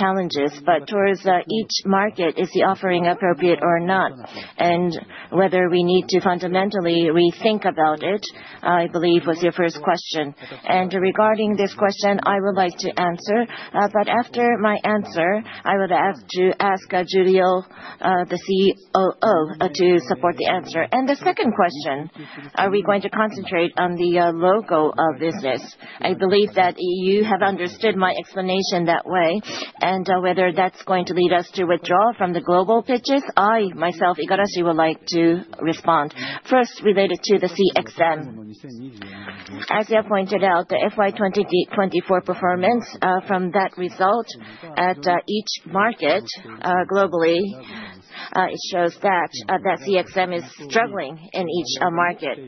challenges. But towards each market, is the offering appropriate or not, and whether we need to fundamentally rethink about it, I believe, was your first question. And regarding this question, I would like to answer, but after my answer, I would have to ask Giulio, the COO, to support the answer. And the second question, are we going to concentrate on the low end of business? I believe that you have understood my explanation that way, and whether that's going to lead us to withdraw from the global pitches, I, myself, Igarashi, would like to respond. First, related to the CXM. As you have pointed out, the FY24 performance from that result at each market globally, it shows that that CXM is struggling in each market.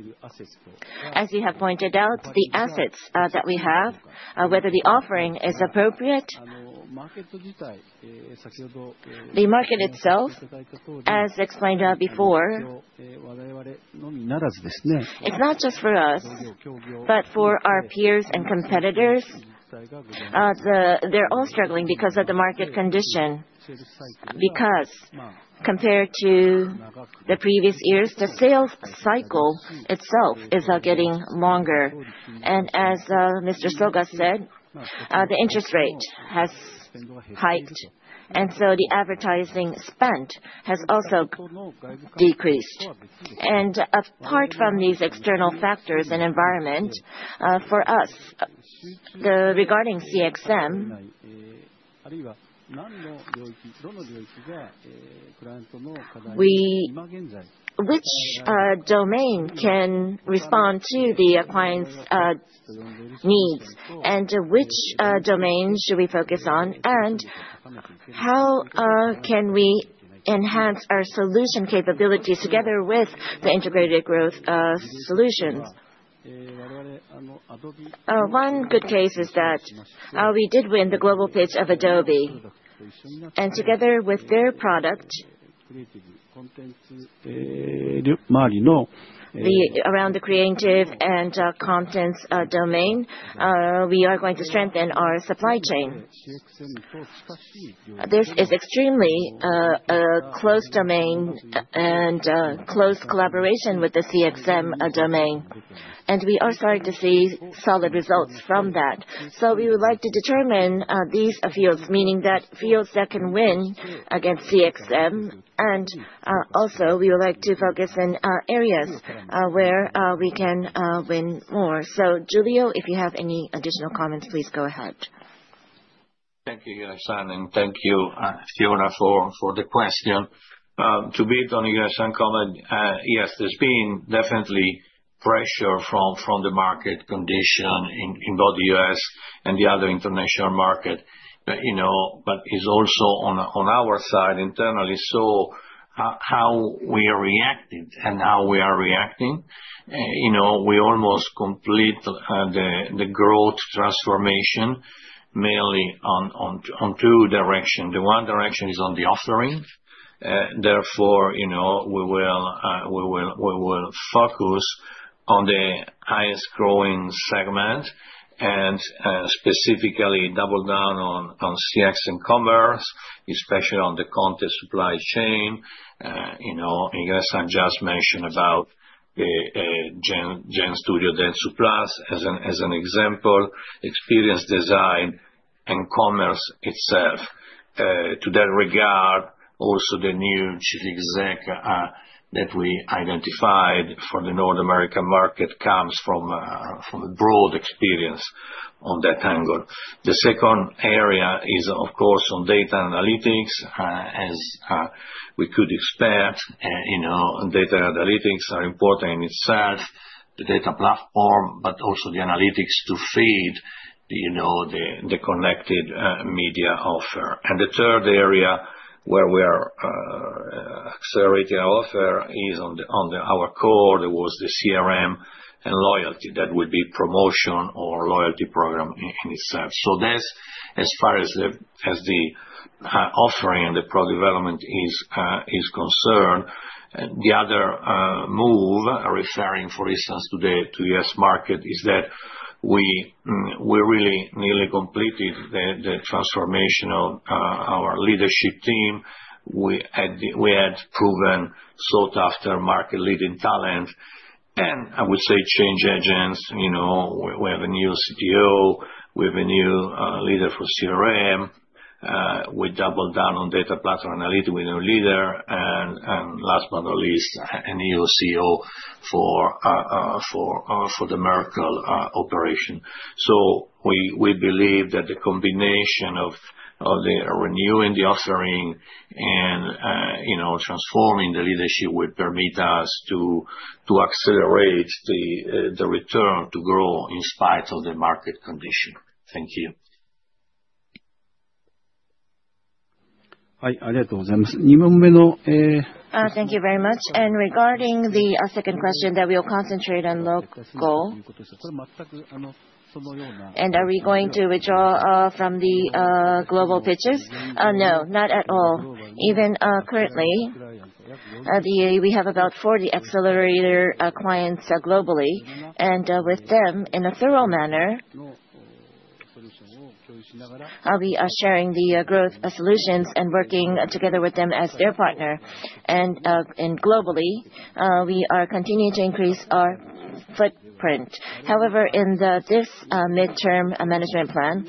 As you have pointed out, the assets that we have, whether the offering is appropriate, the market itself, as explained before, it's not just for us, but for our peers and competitors. They're all struggling because of the market condition. Because compared to the previous years, the sales cycle itself is getting longer, and as Mr. Soga said, the interest rate has hiked, and so the advertising spend has also decreased. Apart from these external factors and environment, for us, regarding CXM, which domain can respond to the client's needs, and which domain should we focus on, and how can we enhance our solution capabilities together with the Integrated Growth Solutions? One good case is that we did win the global pitch of Adobe, and together with their product, around the creative and content domain, we are going to strengthen our supply chain. This is extremely close domain and close collaboration with the CXM domain, and we are starting to see solid results from that. We would like to determine these fields, meaning that fields that can win against CXM, and also we would like to focus in areas where we can win more. Giulio, if you have any additional comments, please go ahead. Thank you, Igarashi-san, and thank you, Fiona, for the question. To be honest, Igarashi-san's comment, yes, there's been definitely pressure from the market condition in both the U.S. and the other international market, but it's also on our side internally. How we reacted and how we are reacting, we almost complete the growth transformation mainly on two directions. The one direction is on the offering. Therefore, we will focus on the highest growing segment and specifically double down on CX and commerce, especially on the content supply chain. Igarashi just mentioned about GenStudio Dentsu Plus as an example, experience design, and commerce itself. To that regard, also the new chief exec that we identified for the North American market comes from a broad experience on that angle. The second area is, of course, on data analytics, as we could expect. Data analytics are important in itself, the data platform, but also the analytics to feed the connected media offer. And the third area where we are accelerating our offer is on our core, there was the CRM and loyalty. That would be promotion or loyalty program in itself. So that's as far as the offering and the product development is concerned. The other move, referring, for instance, to the U.S. market, is that we really nearly completed the transformation of our leadership team. We had proven sought-after market-leading talent, and I would say change agents. We have a new CTO. We have a new leader for CRM. We doubled down on data platform analytics with a new leader, and last but not least, a new CEO for the Merkle operation. So we believe that the combination of renewing the offering and transforming the leadership would permit us to accelerate the return to grow in spite of the market condition. Thank you. Thank you very much. And regarding the second question that we will concentrate on local goal, and are we going to withdraw from the global pitches? No, not at all. Even currently, we have about 40 accelerator clients globally, and with them, in a thorough manner, we are sharing the growth solutions and working together with them as their partner, and globally, we are continuing to increase our footprint. However, in this midterm management plan,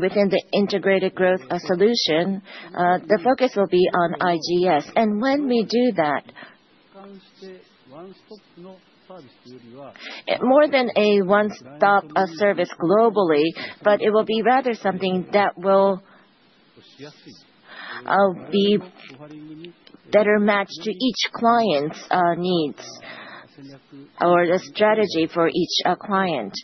within the integrated growth solution, the focus will be on IGS, and when we do that, more than a one-stop service globally, but it will be rather something that will be a better match to each client's needs or the strategy for each client.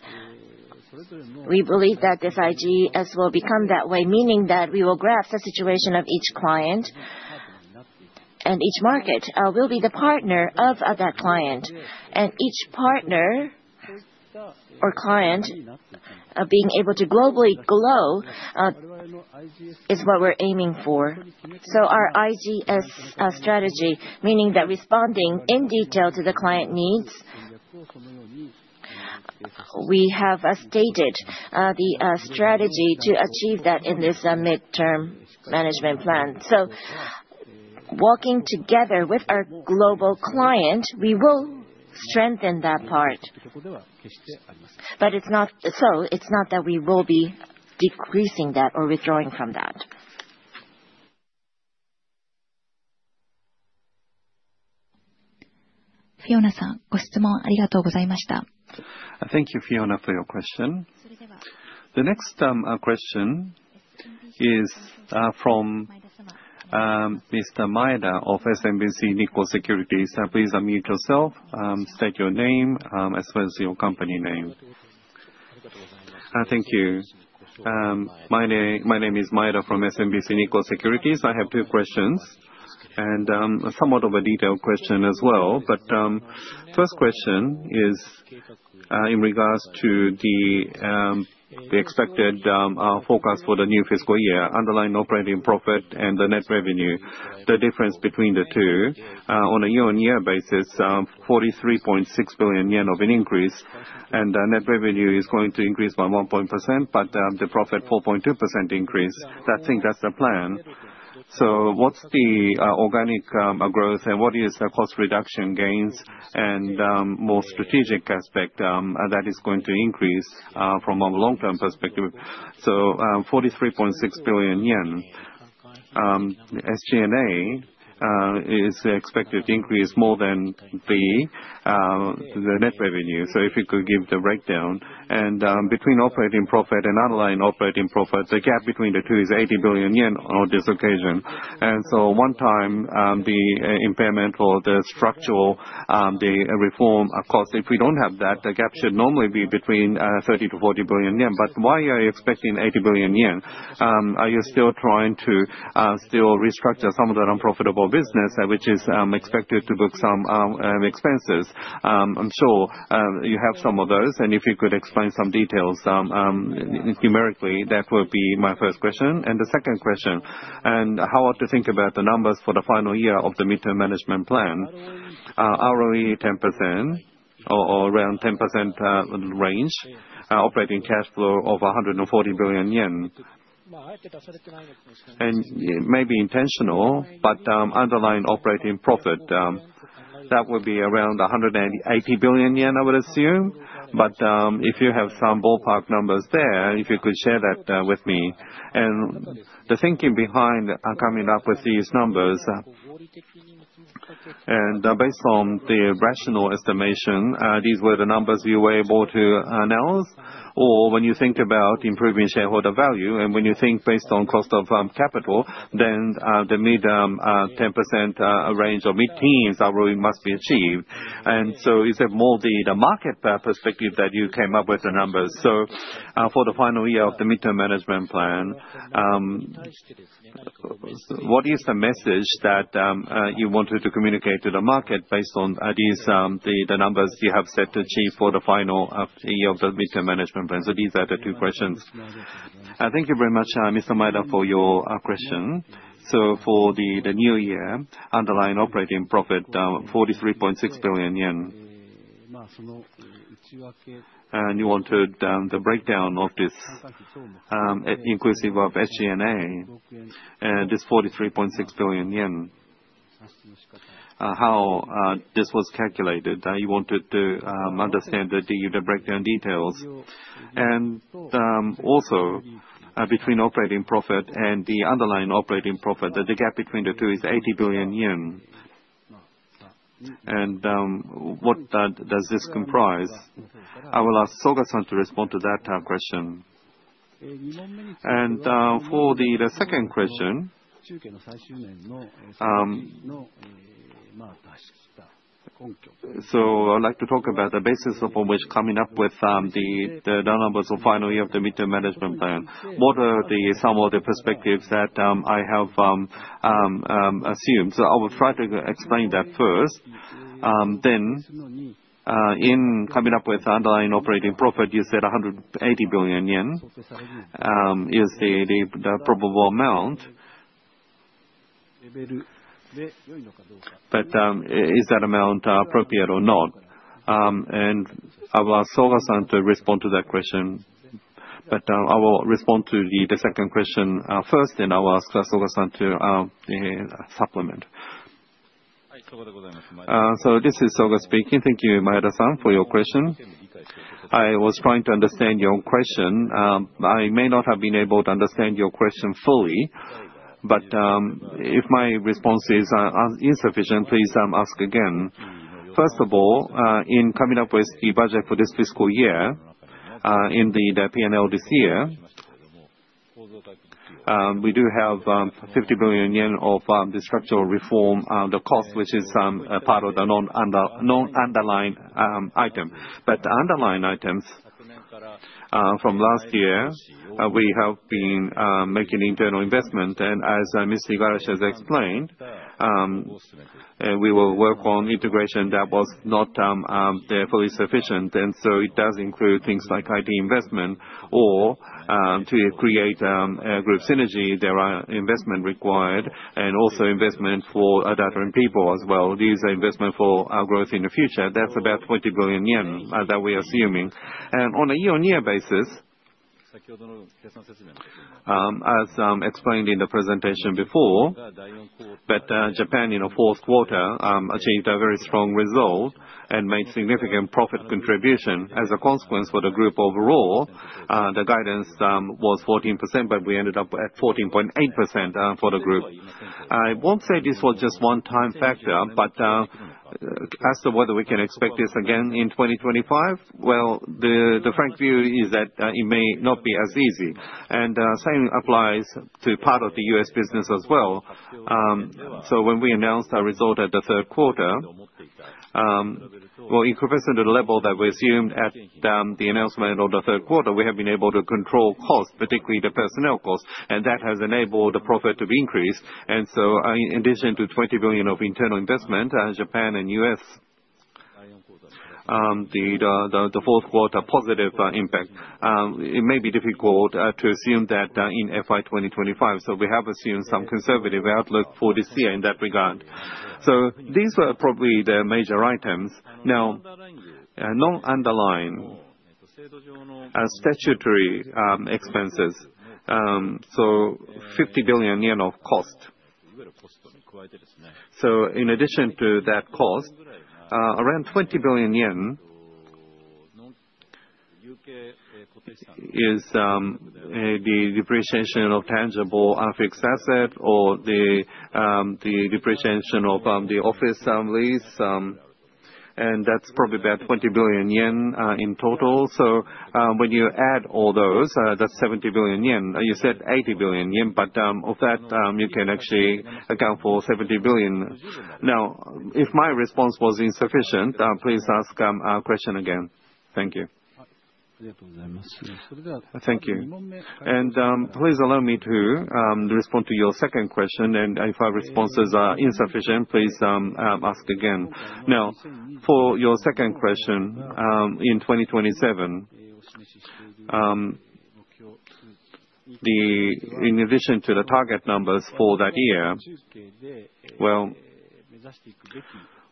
We believe that this IGS will become that way, meaning that we will grasp the situation of each client, and each market will be the partner of that client, and each partner or client being able to globally grow is what we're aiming for. So our IGS strategy, meaning that responding in detail to the client needs, we have stated the strategy to achieve that in this midterm management plan. So walking together with our global client, we will strengthen that part. But it's not that we will be decreasing that or withdrawing from that. Fiona-san, question audio? Thank you, Fiona, for your question. The next question is from Mr. Maeda of SMBC Nikko Securities. Please unmute yourself, state your name, as well as your company name. Thank you. My name is Maeda from SMBC Nikko Securities. I have two questions and somewhat of a detailed question as well. But first question is in regards to the expected focus for the new fiscal year, underlying operating profit and the net revenue, the difference between the two. On a year-on-year basis, 43.6 billion yen of an increase, and net revenue is going to increase by 1.4%, but the profit 4.2% increase. I think that's the plan, so what's the organic growth, and what is the cost reduction gains, and more strategic aspect that is going to increase from a long-term perspective? So 43.6 billion yen. SG&A is expected to increase more than the net revenue, so if you could give the breakdown, and between operating profit and underlying operating profit, the gap between the two is 80 billion yen on this occasion, and so one-time, the impairment or the structural reform cost, if we don't have that, the gap should normally be between 30 billion to 40 billion yen, but why are you expecting 80 billion yen? Are you still trying to restructure some of the non-profitable business, which is expected to book some expenses? I'm sure you have some of those, and if you could explain some details numerically, that would be my first question. And the second question, and how to think about the numbers for the final year of the Midterm Management Plan, ROE 10% or around 10% range, operating cash flow of 140 billion yen. And maybe intentional, but underlying operating profit, that would be around 180 billion yen, I would assume. But if you have some ballpark numbers there, if you could share that with me. And the thinking behind coming up with these numbers, and based on the rational estimation, these were the numbers you were able to announce, or when you think about improving shareholder value, and when you think based on cost of capital, then the mid-term 10% range or mid-teens must be achieved. And so, is it more the market perspective that you came up with the numbers? So, for the final year of the midterm management plan, what is the message that you wanted to communicate to the market based on these numbers you have set to achieve for the final year of the midterm management plan? So, these are the two questions. Thank you very much, Mr. Maeda, for your question. So, for the new year, underlying operating profit, 43.6 billion yen. You wanted the breakdown of this inclusive of SG&A, this 43.6 billion yen, how this was calculated. You wanted to understand the breakdown details. And also, between operating profit and the underlying operating profit, the gap between the two is 80 billion yen. And what does this comprise? I will ask Soga-san to respond to that question. For the second question, I'd like to talk about the basis upon which coming up with the numbers of final year of the midterm management plan. What are some of the perspectives that I have assumed? I will try to explain that first. Then, in coming up with underlying operating profit, you said 180 billion yen is the probable amount, but is that amount appropriate or not? I will ask Soga-san to respond to that question. I will respond to the second question first, and I will ask Soga-san to supplement. This is Soga speaking. Thank you, Maeda-san, for your question. I was trying to understand your question. I may not have been able to understand your question fully, but if my response is insufficient, please ask again. First of all, in coming up with the budget for this fiscal year in the P&L this year, we do have 50 billion yen of the structural reform, the cost, which is part of the non-underlying item. But the underlying items from last year, we have been making internal investment. As Mr. Igarashi has explained, we will work on integration that was not fully sufficient. So it does include things like IT investment, or to create a group synergy, there are investment required, and also investment for other people as well. These are investment for growth in the future. That's about 20 billion yen that we are assuming. On a year-on-year basis, as explained in the presentation before, Japan in the fourth quarter achieved a very strong result and made significant profit contribution. As a consequence for the group overall, the guidance was 14%, but we ended up at 14.8% for the group. I won't say this was just one-time factor, but as to whether we can expect this again in 2025, well, the frank view is that it may not be as easy. And same applies to part of the U.S. business as well. So when we announced our result at the third quarter, well, in comparison to the level that we assumed at the announcement of the third quarter, we have been able to control costs, particularly the personnel costs, and that has enabled the profit to be increased. And so in addition to 20 billion of internal investment, Japan and U.S., the fourth quarter positive impact, it may be difficult to assume that in FY 2025. So we have assumed some conservative outlook for this year in that regard. So these were probably the major items. Now, non-underlying statutory expenses, so 50 billion yen of cost. So in addition to that cost, around 20 billion yen is the depreciation of tangible fixed assets or the depreciation of the office lease. And that's probably about 20 billion yen in total. So when you add all those, that's 70 billion yen. You said 80 billion yen, but of that, you can actually account for 70 billion. Now, if my response was insufficient, please ask your question again. Thank you. Thank you. And please allow me to respond to your second question. And if our responses are insufficient, please ask again. Now, for your second question, in 2027, in addition to the target numbers for that year, well,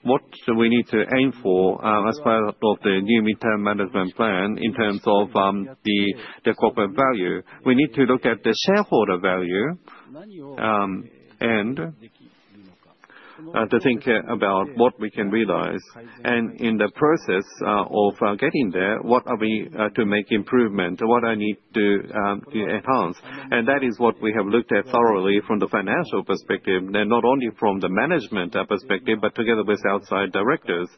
what do we need to aim for as part of the new midterm management plan in terms of the corporate value? We need to look at the shareholder value and to think about what we can realize. And in the process of getting there, what are we to make improvement? What do I need to enhance? And that is what we have looked at thoroughly from the financial perspective, not only from the management perspective, but together with outside directors.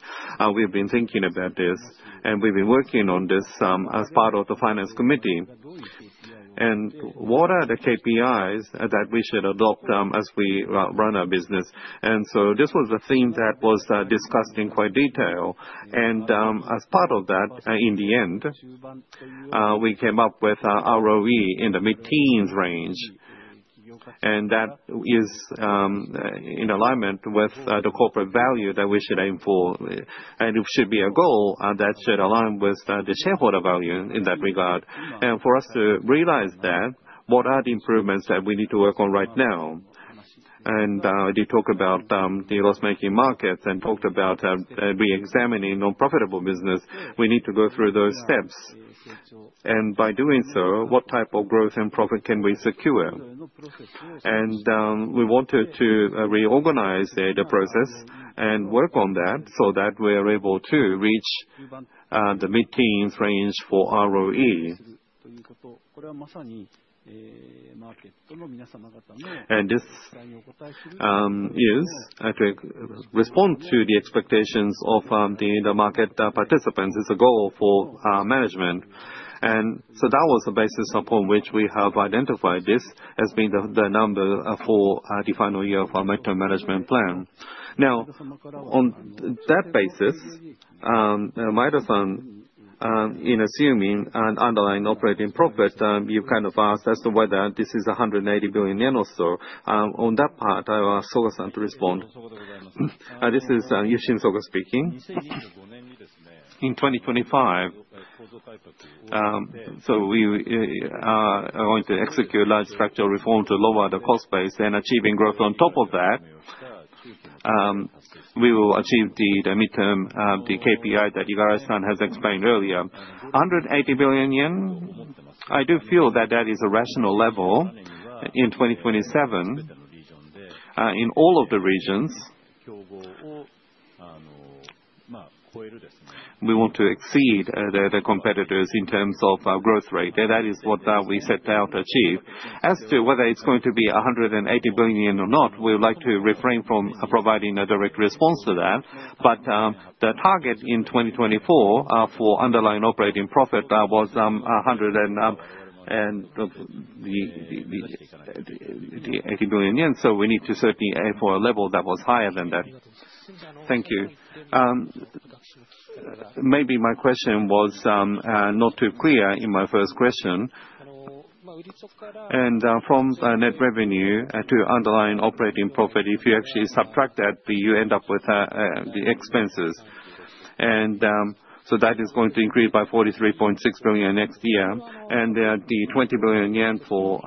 We've been thinking about this, and we've been working on this as part of the Finance Committee. And what are the KPIs that we should adopt as we run our business? And so this was a theme that was discussed in quite detail. And as part of that, in the end, we came up with ROE in the mid-teens range, and that is in alignment with the corporate value that we should aim for. And it should be a goal that should align with the shareholder value in that regard. And for us to realize that, what are the improvements that we need to work on right now? And you talk about the loss-making markets and talked about re-examining non-profitable business. We need to go through those steps. And by doing so, what type of growth and profit can we secure? And we wanted to reorganize the process and work on that so that we are able to reach the mid-teens range for ROE. And this is to respond to the expectations of the market participants. It's a goal for management. And so that was the basis upon which we have identified this as being the number for the final year of our midterm management plan. Now, on that basis, Maeda-san, in assuming an underlying operating profit, you've kind of asked as to whether this is 180 billion yen or so. On that part, I will ask Soga-san to respond. This is Yushin Soga speaking. In 2025, so we are going to execute large structural reform to lower the cost base and achieving growth on top of that, we will achieve the midterm KPI that Igarashi-san has explained earlier. 180 billion yen, I do feel that that is a rational level in 2027. In all of the regions, we want to exceed the competitors in terms of growth rate. That is what we set out to achieve. As to whether it's going to be 180 billion yen or not, we would like to refrain from providing a direct response to that. But the target in 2024 for underlying operating profit was 180 billion yen. So we need to certainly aim for a level that was higher than that. Thank you. Maybe my question was not too clear in my first question. And from net revenue to underlying operating profit, if you actually subtract that, you end up with the expenses. And so that is going to increase by 43.6 billion next year. And the 20 billion yen for.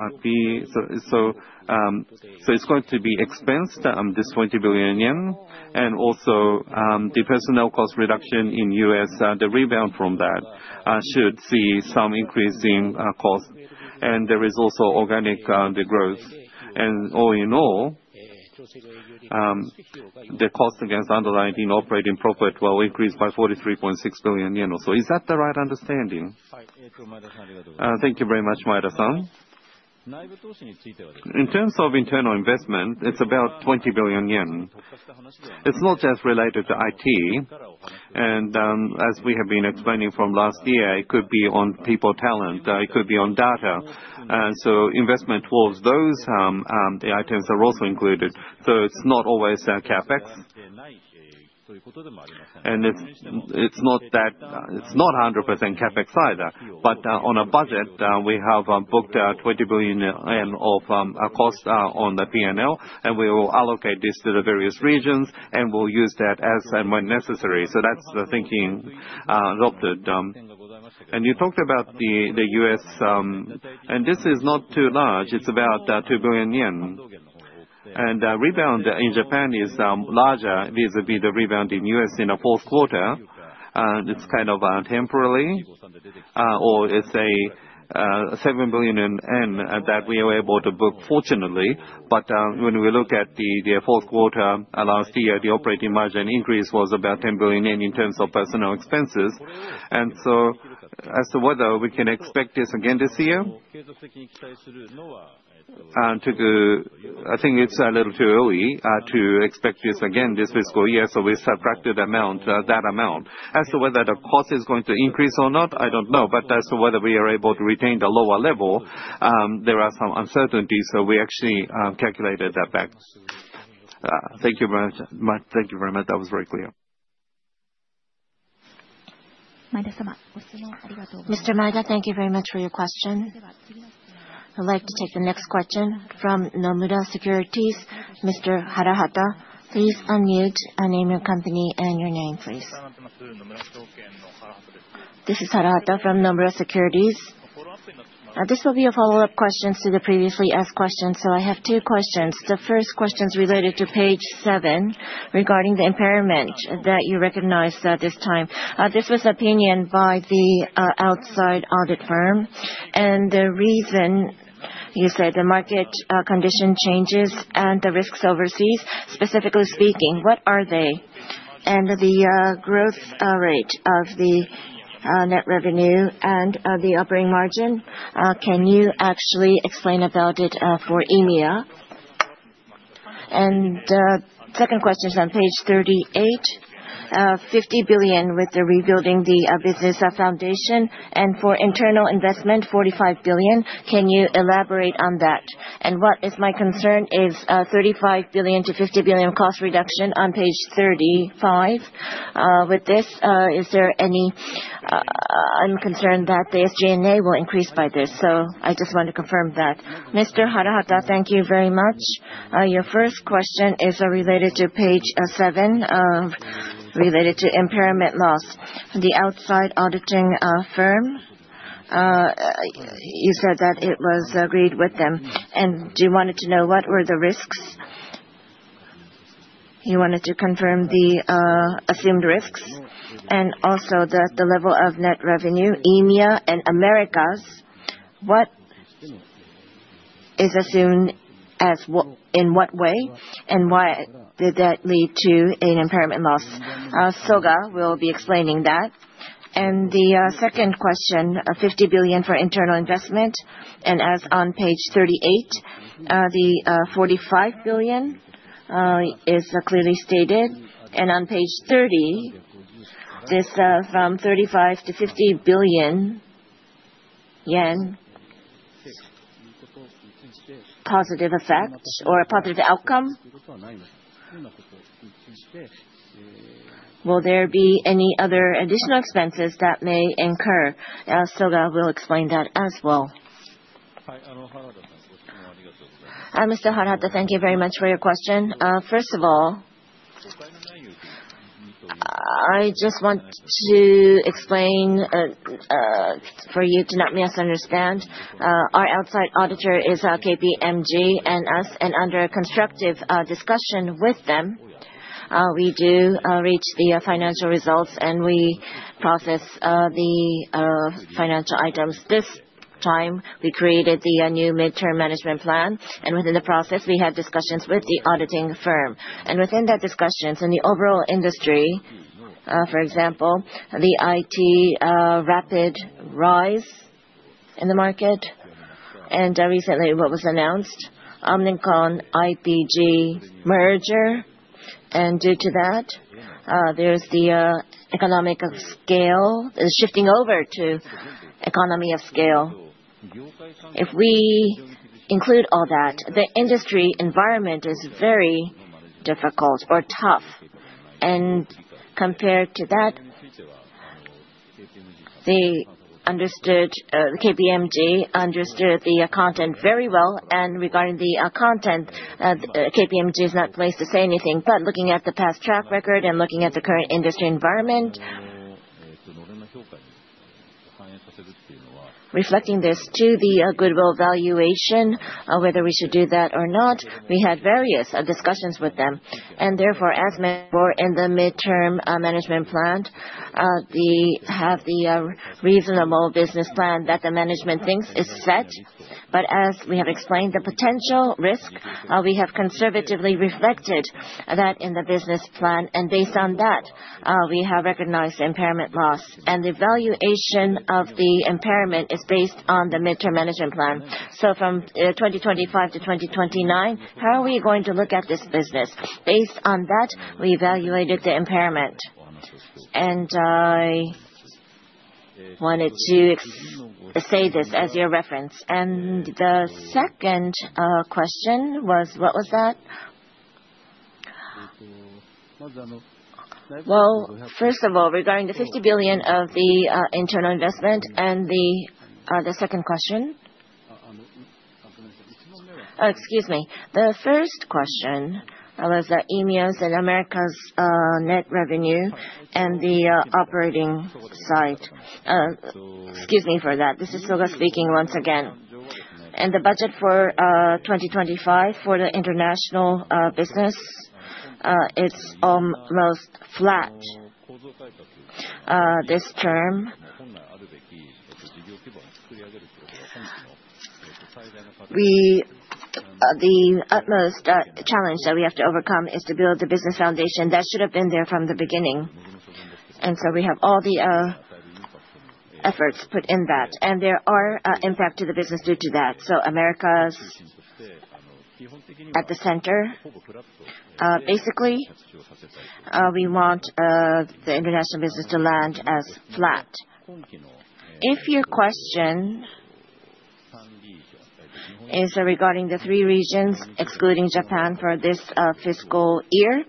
So it's going to be expensed, this 20 billion yen. And also, the personnel cost reduction in the U.S., the rebound from that should see some increase in cost. And there is also organic growth. And all in all, the cost against underlying operating profit will increase by 43.6 billion yen. So is that the right understanding? Thank you very much, Maeda-san. In terms of internal investment, it's about 20 billion yen. It's not just related to IT. And as we have been explaining from last year, it could be on people talent. It could be on data. So investment towards those items are also included. So it's not always CapEx. It's not 100% CapEx either. On a budget, we have booked 20 billion yen of cost on the P&L, and we will allocate this to the various regions, and we'll use that as and when necessary. That's the thinking adopted. You talked about the U.S., and this is not too large. It's about 2 billion yen. Rebound in Japan is larger vis-à-vis the rebound in the U.S. in the fourth quarter. It's kind of temporary, or it's a 7 billion that we are able to book, fortunately. When we look at the fourth quarter last year, the operating margin increase was about 10 billion yen in terms of personnel expenses. As to whether we can expect this again this year, I think it's a little too early to expect this again this fiscal year. We subtracted that amount. As to whether the cost is going to increase or not, I don't know. But as to whether we are able to retain the lower level, there are some uncertainties. So we actually calculated that back. Thank you very much. Thank you very much. That was very clear. Mr. Maeda, thank you very much for your question. I'd like to take the next question from Nomura Securities. Mr. Harahata, please unmute and name your company and your name, please. This is Harahata from Nomura Securities. This will be a follow-up question to the previously asked questions. So I have two questions. The first question is related to page seven regarding the impairment that you recognize at this time. This was an opinion by the outside audit firm. And the reason you said the market condition changes and the risks overseas, specifically speaking, what are they? The growth rate of the net revenue and the operating margin, can you actually explain about it for EMEA? And the second question is on page 38, 50 billion with the rebuilding the business foundation. And for internal investment, 45 billion. Can you elaborate on that? And what is my concern is 35 billion-50 billion cost reduction on page 35. With this, is there any concern that the SG&A will increase by this? So I just want to confirm that. Mr. Harahata, thank you very much. Your first question is related to page seven related to impairment loss. The outside auditing firm, you said that it was agreed with them. And you wanted to know what were the risks. You wanted to confirm the assumed risks and also the level of net revenue. EMEA and Americas, what is assumed in what way, and why did that lead to an impairment loss? Soga will be explaining that. And the second question, 50 billion for internal investment. And as on page 38, the 45 billion is clearly stated. And on page 30, this 35 billion to 50 billion yen, positive effect or positive outcome, will there be any other additional expenses that may incur? Soga will explain that as well. Mr. Harahata, thank you very much for your question. First of all, I just want to explain for you to not misunderstand. Our outside auditor is KPMG and us. And under constructive discussion with them, we do reach the financial results, and we process the financial items. This time, we created the new midterm management plan. And within the process, we had discussions with the auditing firm. Within that discussion, in the overall industry, for example, the IT rapid rise in the market, and recently what was announced, Omnicom IPG merger. Due to that, there's the economic scale shifting over to economies of scale. If we include all that, the industry environment is very difficult or tough. Compared to that, KPMG understood the content very well. Regarding the content, KPMG is not placed to say anything. But looking at the past track record and looking at the current industry environment, reflecting this to the goodwill valuation, whether we should do that or not, we had various discussions with them. Therefore, as for in the Midterm Management Plan, they have the reasonable business plan that the management thinks is set. But as we have explained the potential risk, we have conservatively reflected that in the business plan. Based on that, we have recognized the impairment loss. The valuation of the impairment is based on the midterm management plan. From 2025 to 2029, how are we going to look at this business? Based on that, we evaluated the impairment. I wanted to say this as your reference. The second question was, what was that? First of all, regarding the 50 billion JPY of the internal investment. The second question? Excuse me. The first question was EMEAs and Americas net revenue and the operating side. Excuse me for that. This is Soga speaking once again. The budget for 2025 for the international business is almost flat this term. The utmost challenge that we have to overcome is to build the business foundation that should have been there from the beginning. We have all the efforts put in that. There are impacts to the business due to that. So Americas is at the center. Basically, we want the international business to land as flat. If your question is regarding the three regions excluding Japan for this fiscal year,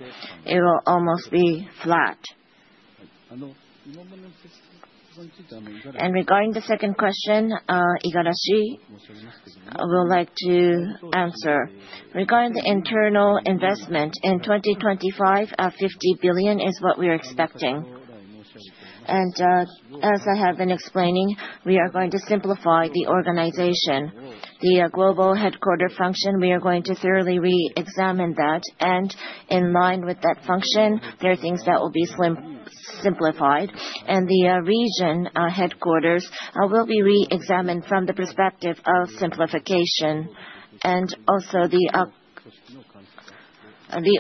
it will almost be flat. Regarding the second question, Igarashi, I would like to answer. Regarding the internal investment in 2025, 50 billion is what we are expecting. As I have been explaining, we are going to simplify the organization. The global headquarters function, we are going to thoroughly re-examine that. In line with that function, there are things that will be simplified. The region headquarters will be re-examined from the perspective of simplification. Also the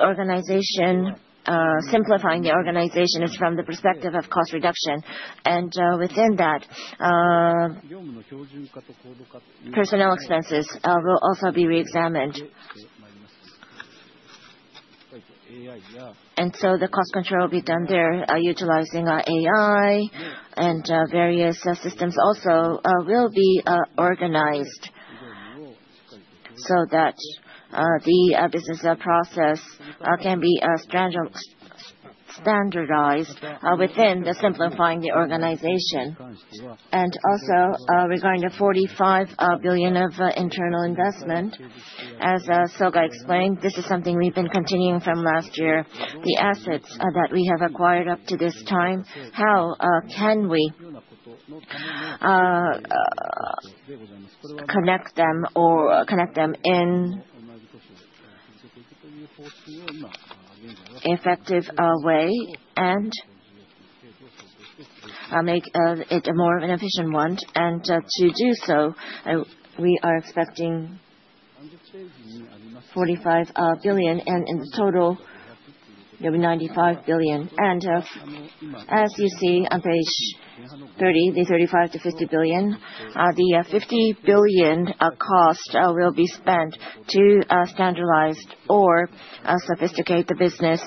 organization, simplifying the organization is from the perspective of cost reduction. Within that, personnel expenses will also be re-examined. And so the cost control will be done there utilizing AI and various systems. Also will be organized so that the business process can be standardized within the simplifying the organization. And also regarding the JPY 45 billion of internal investment, as Soga explained, this is something we've been continuing from last year. The assets that we have acquired up to this time, how can we connect them or connect them in an effective way and make it more of an efficient one? And to do so, we are expecting 45 billion, and in total, there will be 95 billion. And as you see on page 30, the 35 billion-50 billion, the 50 billion cost will be spent to standardize or sophisticate the business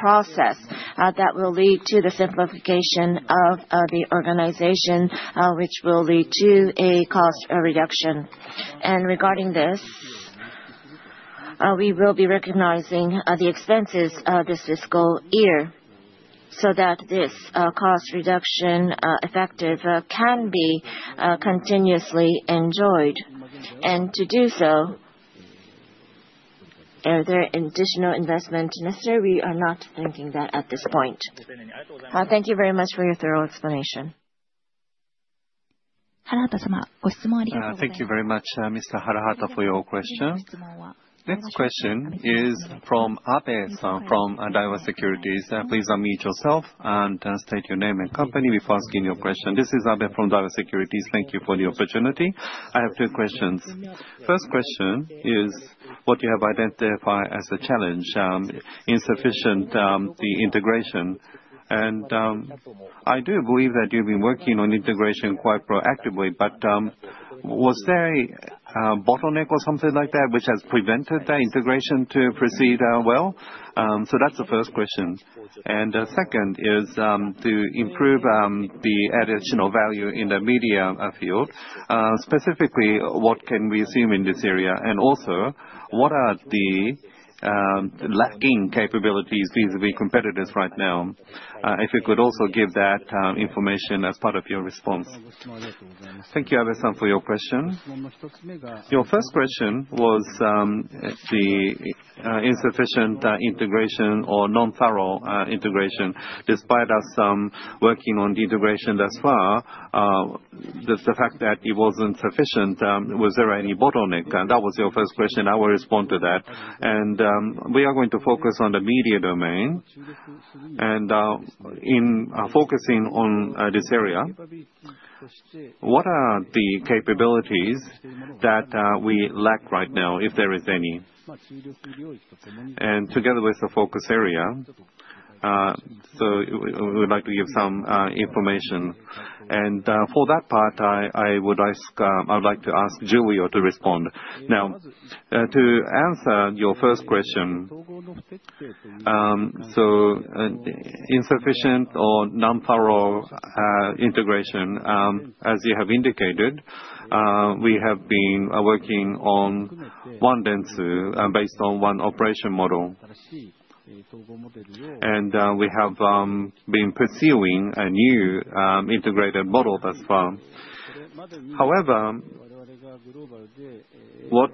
process that will lead to the simplification of the organization, which will lead to a cost reduction. Regarding this, we will be recognizing the expenses this fiscal year so that this cost reduction effective can be continuously enjoyed. And to do so, are there additional investments necessary? We are not thinking that at this point. Thank you very much for your thorough explanation. ハラハタ様、ご質問ありがとうございます。Thank you very much, Mr. Harahata, for your question. Next question is from Abe from Daiwa Securities. Please unmute yourself and state your name and company before asking your question. This is Abe from Daiwa Securities. Thank you for the opportunity. I have two questions. First question is what you have identified as a challenge: insufficient integration. And I do believe that you've been working on integration quite proactively, but was there a bottleneck or something like that which has prevented that integration to proceed well? So that's the first question. And the second is to improve the additional value in the media field. Specifically, what can we assume in this area? And also, what are the lacking capabilities vis-à-vis competitors right now? If you could also give that information as part of your response. Thank you, Abe-san, for your question. Your first question was the insufficient integration or non-thorough integration. Despite us working on the integration thus far, the fact that it wasn't sufficient, was there any bottleneck? That was your first question. I will respond to that. And we are going to focus on the media domain. And in focusing on this area, what are the capabilities that we lack right now, if there is any? And together with the focus area, so we would like to give some information. And for that part, I would like to ask Giulio to respond. Now, to answer your first question, so insufficient or non-thorough integration, as you have indicated, we have been working on One Dentsu based on one operating model. And we have been pursuing a new integrated model thus far. However, what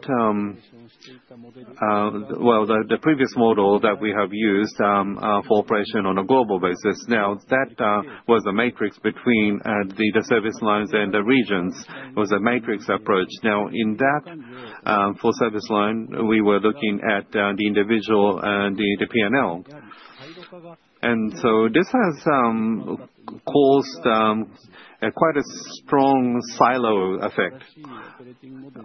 the previous model that we have used for operation on a global basis, now that was a matrix between the service lines and the regions. It was a matrix approach. Now, in that full service line, we were looking at the individual and the P&L. And so this has caused quite a strong silo effect.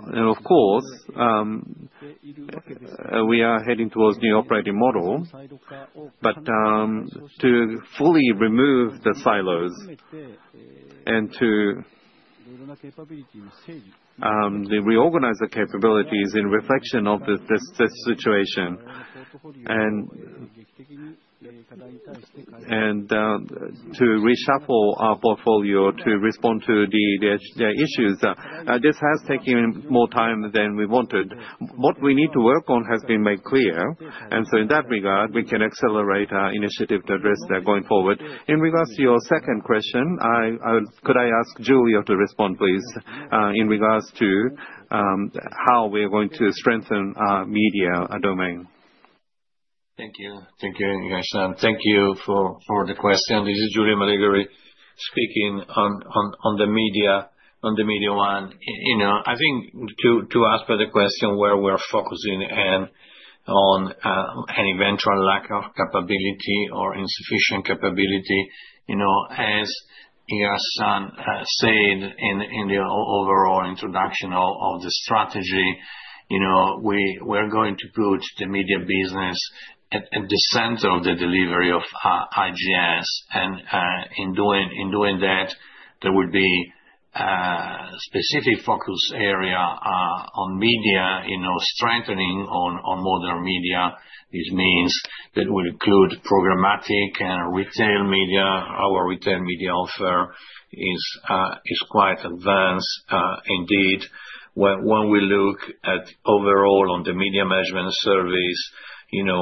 And of course, we are heading towards a new operating model. But to fully remove the silos and to reorganize the capabilities in reflection of this situation and to reshuffle our portfolio to respond to the issues, this has taken more time than we wanted. What we need to work on has been made clear. And so in that regard, we can accelerate our initiative to address that going forward. In regards to your second question, could I ask Giulio to respond, please, in regards to how we are going to strengthen our media domain? Thank you. Thank you, Igarashi. And thank you for the question. This is Giulio Malegori speaking on the media one. I think to ask for the question where we're focusing and on any venture lack of capability or insufficient capability. As Igarashi said in the overall introduction of the strategy, we are going to put the media business at the center of the delivery of IGS. And in doing that, there will be a specific focus area on media strengthening on modern media. This means that will include programmatic and retail media. Our retail media offer is quite advanced indeed. When we look at overall on the media management service,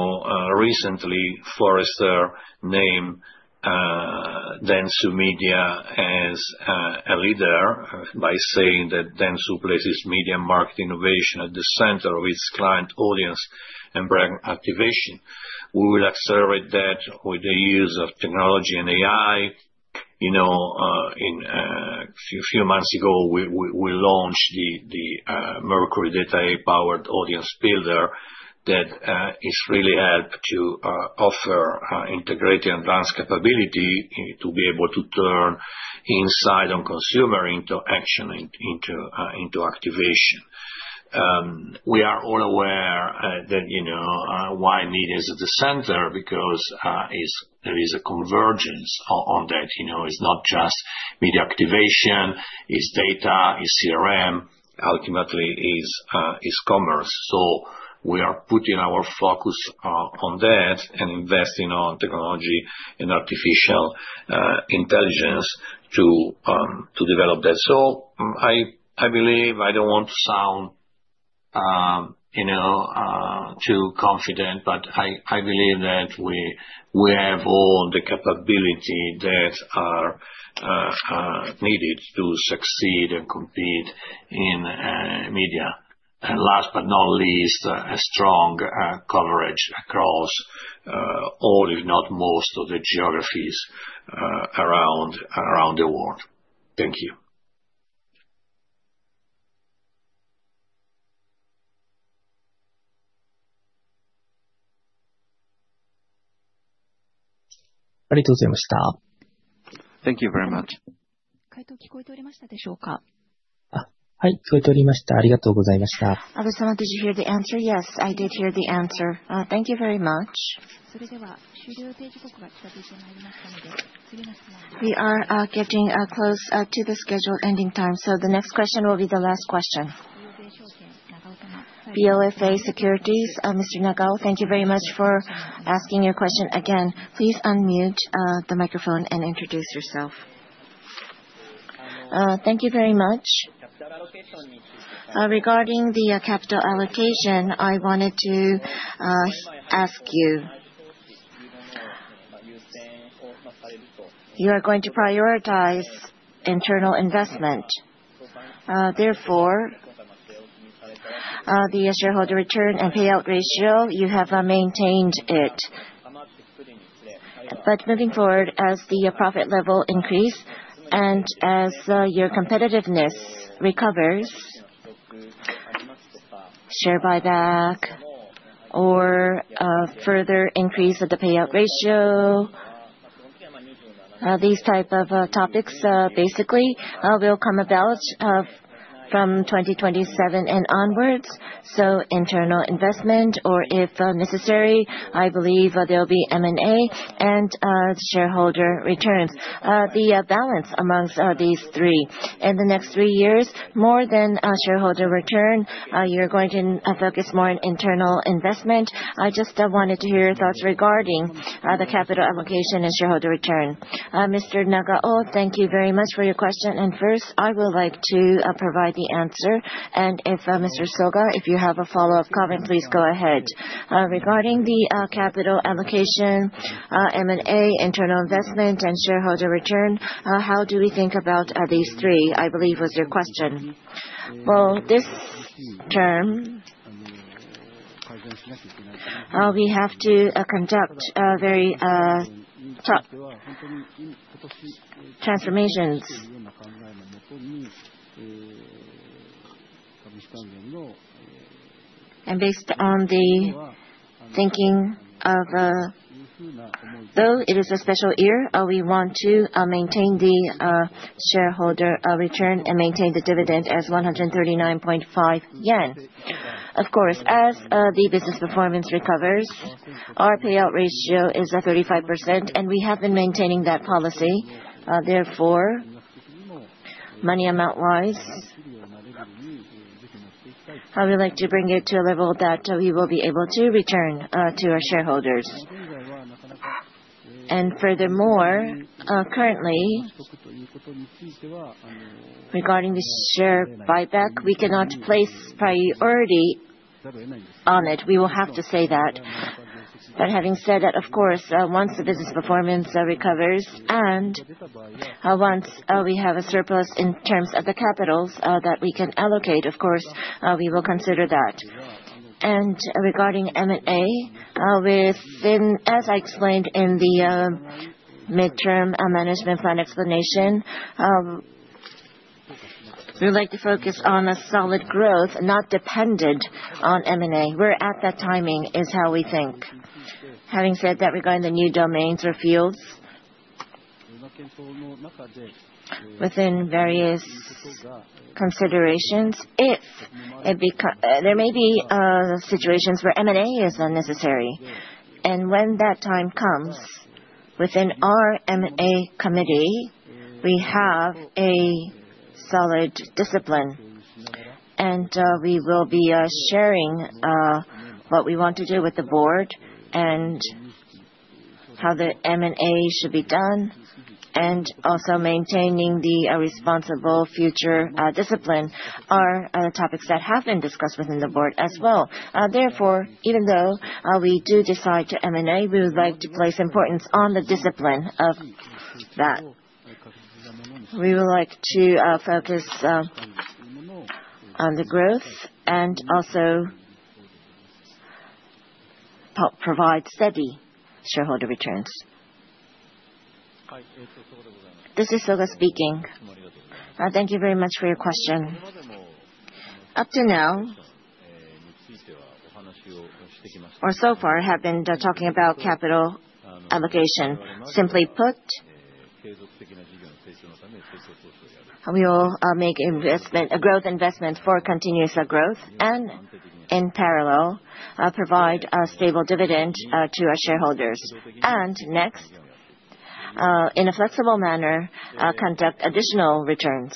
recently, Forrester named Dentsu Media as a leader by saying that Dentsu places media marketing innovation at the center of its client audience and brand activation. We will accelerate that with the use of technology and AI. A few months ago, we launched the Merkury AI-powered audience builder that has really helped to offer integrated advanced capability to be able to turn insights on consumer interaction into activation. We are all aware of why media is at the center because there is a convergence on that. It's not just media activation. It's data. It's CRM. Ultimately, it's commerce. So we are putting our focus on that and investing on technology and artificial intelligence to develop that. So I believe I don't want to sound too confident, but I believe that we have all the capability that are needed to succeed and compete in media. And last but not least, a strong coverage across all, if not most, of the geographies around the world. Thank you. ありがとうございました。Thank you very much. 回答聞こえておりましたでしょうか。はい、聞こえておりました。ありがとうございました。Abe-san, did you hear the answer? Yes, I did hear the answer. Thank you very much. それでは、終了予定時刻が近づいてまいりましたので、次の質問です。We are getting close to the scheduled ending time. So the next question will be the last question. BofA Securities, Mr. Nagao, thank you very much for asking your question again. Please unmute the microphone and introduce yourself. Thank you very much. Regarding the capital allocation, I wanted to ask you. You are going to prioritize internal investment. Therefore, the shareholder return and payout ratio, you have maintained it. But moving forward, as the profit level increases and as your competitiveness recovers, share buyback or further increase of the payout ratio, these types of topics basically will come about from 2027 and onwards. So internal investment, or if necessary, I believe there will be M&A and shareholder returns. The balance among these three. In the next three years, more than shareholder return, you're going to focus more on internal investment. I just wanted to hear your thoughts regarding the capital allocation and shareholder return. Mr. Nagao, thank you very much for your question. And first, I would like to provide the answer. And if Mr. Soga, you have a follow-up comment, please go ahead. Regarding the capital allocation, M&A, internal investment, and shareholder return, how do we think about these three, I believe was your question. Well, this term, we have to conduct very tough transformations. Based on the thinking, though it is a special year, we want to maintain the shareholder return and maintain the dividend as 139.5 yen. Of course, as the business performance recovers, our payout ratio is 35%, and we have been maintaining that policy. Therefore, money amount-wise, we would like to bring it to a level that we will be able to return to our shareholders. Furthermore, currently, regarding the share buyback, we cannot place priority on it. We will have to say that. But having said that, of course, once the business performance recovers and once we have a surplus in terms of the capitals that we can allocate, of course, we will consider that. Regarding M&A, as I explained in the midterm management plan explanation, we would like to focus on a solid growth, not dependent on M&A. We're at that timing, is how we think. Having said that, regarding the new domains or fields, within various considerations, there may be situations where M&A is unnecessary. And when that time comes, within our M&A Committee, we have a solid discipline. And we will be sharing what we want to do with the board and how the M&A should be done, and also maintaining the responsible future discipline are topics that have been discussed within the board as well. Therefore, even though we do decide to M&A, we would like to place importance on the discipline of that. We would like to focus on the growth and also provide steady shareholder returns. This is Soga speaking. Thank you very much for your question. Up to now, or so far, I have been talking about capital allocation. Simply put, we will make a growth investment for continuous growth and, in parallel, provide a stable dividend to our shareholders. And next, in a flexible manner, conduct additional returns.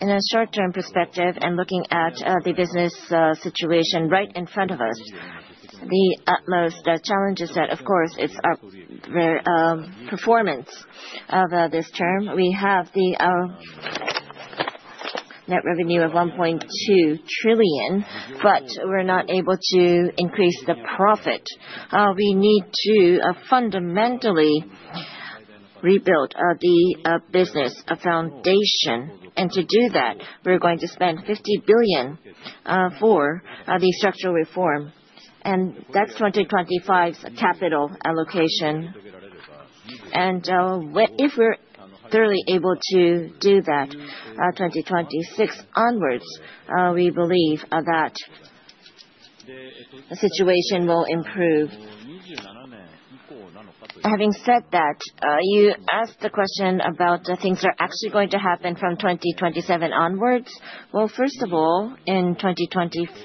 In a short-term perspective and looking at the business situation right in front of us, the utmost challenge is that, of course, it's our performance of this term. We have the net revenue of 1.2 trillion, but we're not able to increase the profit. We need to fundamentally rebuild the business foundation. And to do that, we're going to spend 50 billion for the structural reform. And that's 2025's capital allocation. And if we're thoroughly able to do that 2026 onwards, we believe that the situation will improve. Having said that, you asked the question about things that are actually going to happen from 2027 onwards. Well, first of all, in 2025,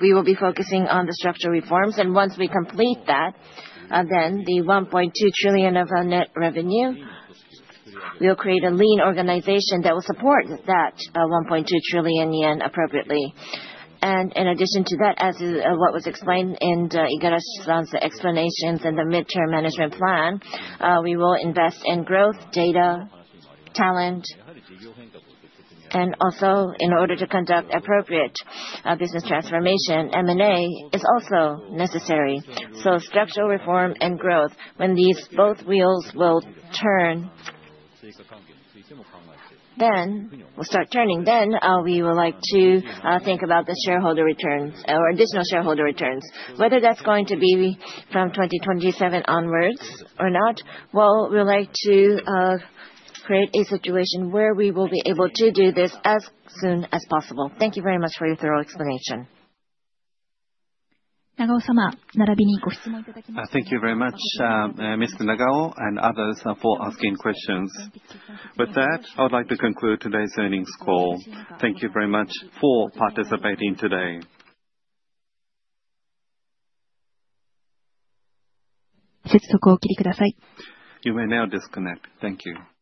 we will be focusing on the structural reforms. And once we complete that, then the 1.2 trillion of net revenue will create a lean organization that will support that 1.2 trillion yen appropriately. And in addition to that, as what was explained in Igarashi's explanations and the midterm management plan, we will invest in growth, data, talent. And also, in order to conduct appropriate business transformation, M&A is also necessary. So structural reform and growth, when these both wheels will turn, then we'll start turning. Then we would like to think about the shareholder returns or additional shareholder returns. Whether that's going to be from 2027 onwards or not, well, we would like to create a situation where we will be able to do this as soon as possible. Thank you very much for your thorough explanation. 長尾様、並びにご質問いただきました。Thank you very much, Mr. Nagao, and others for asking questions. With that, I would like to conclude today's earnings call. Thank you very much for participating today. 接続をお切りください。You may now disconnect. Thank you.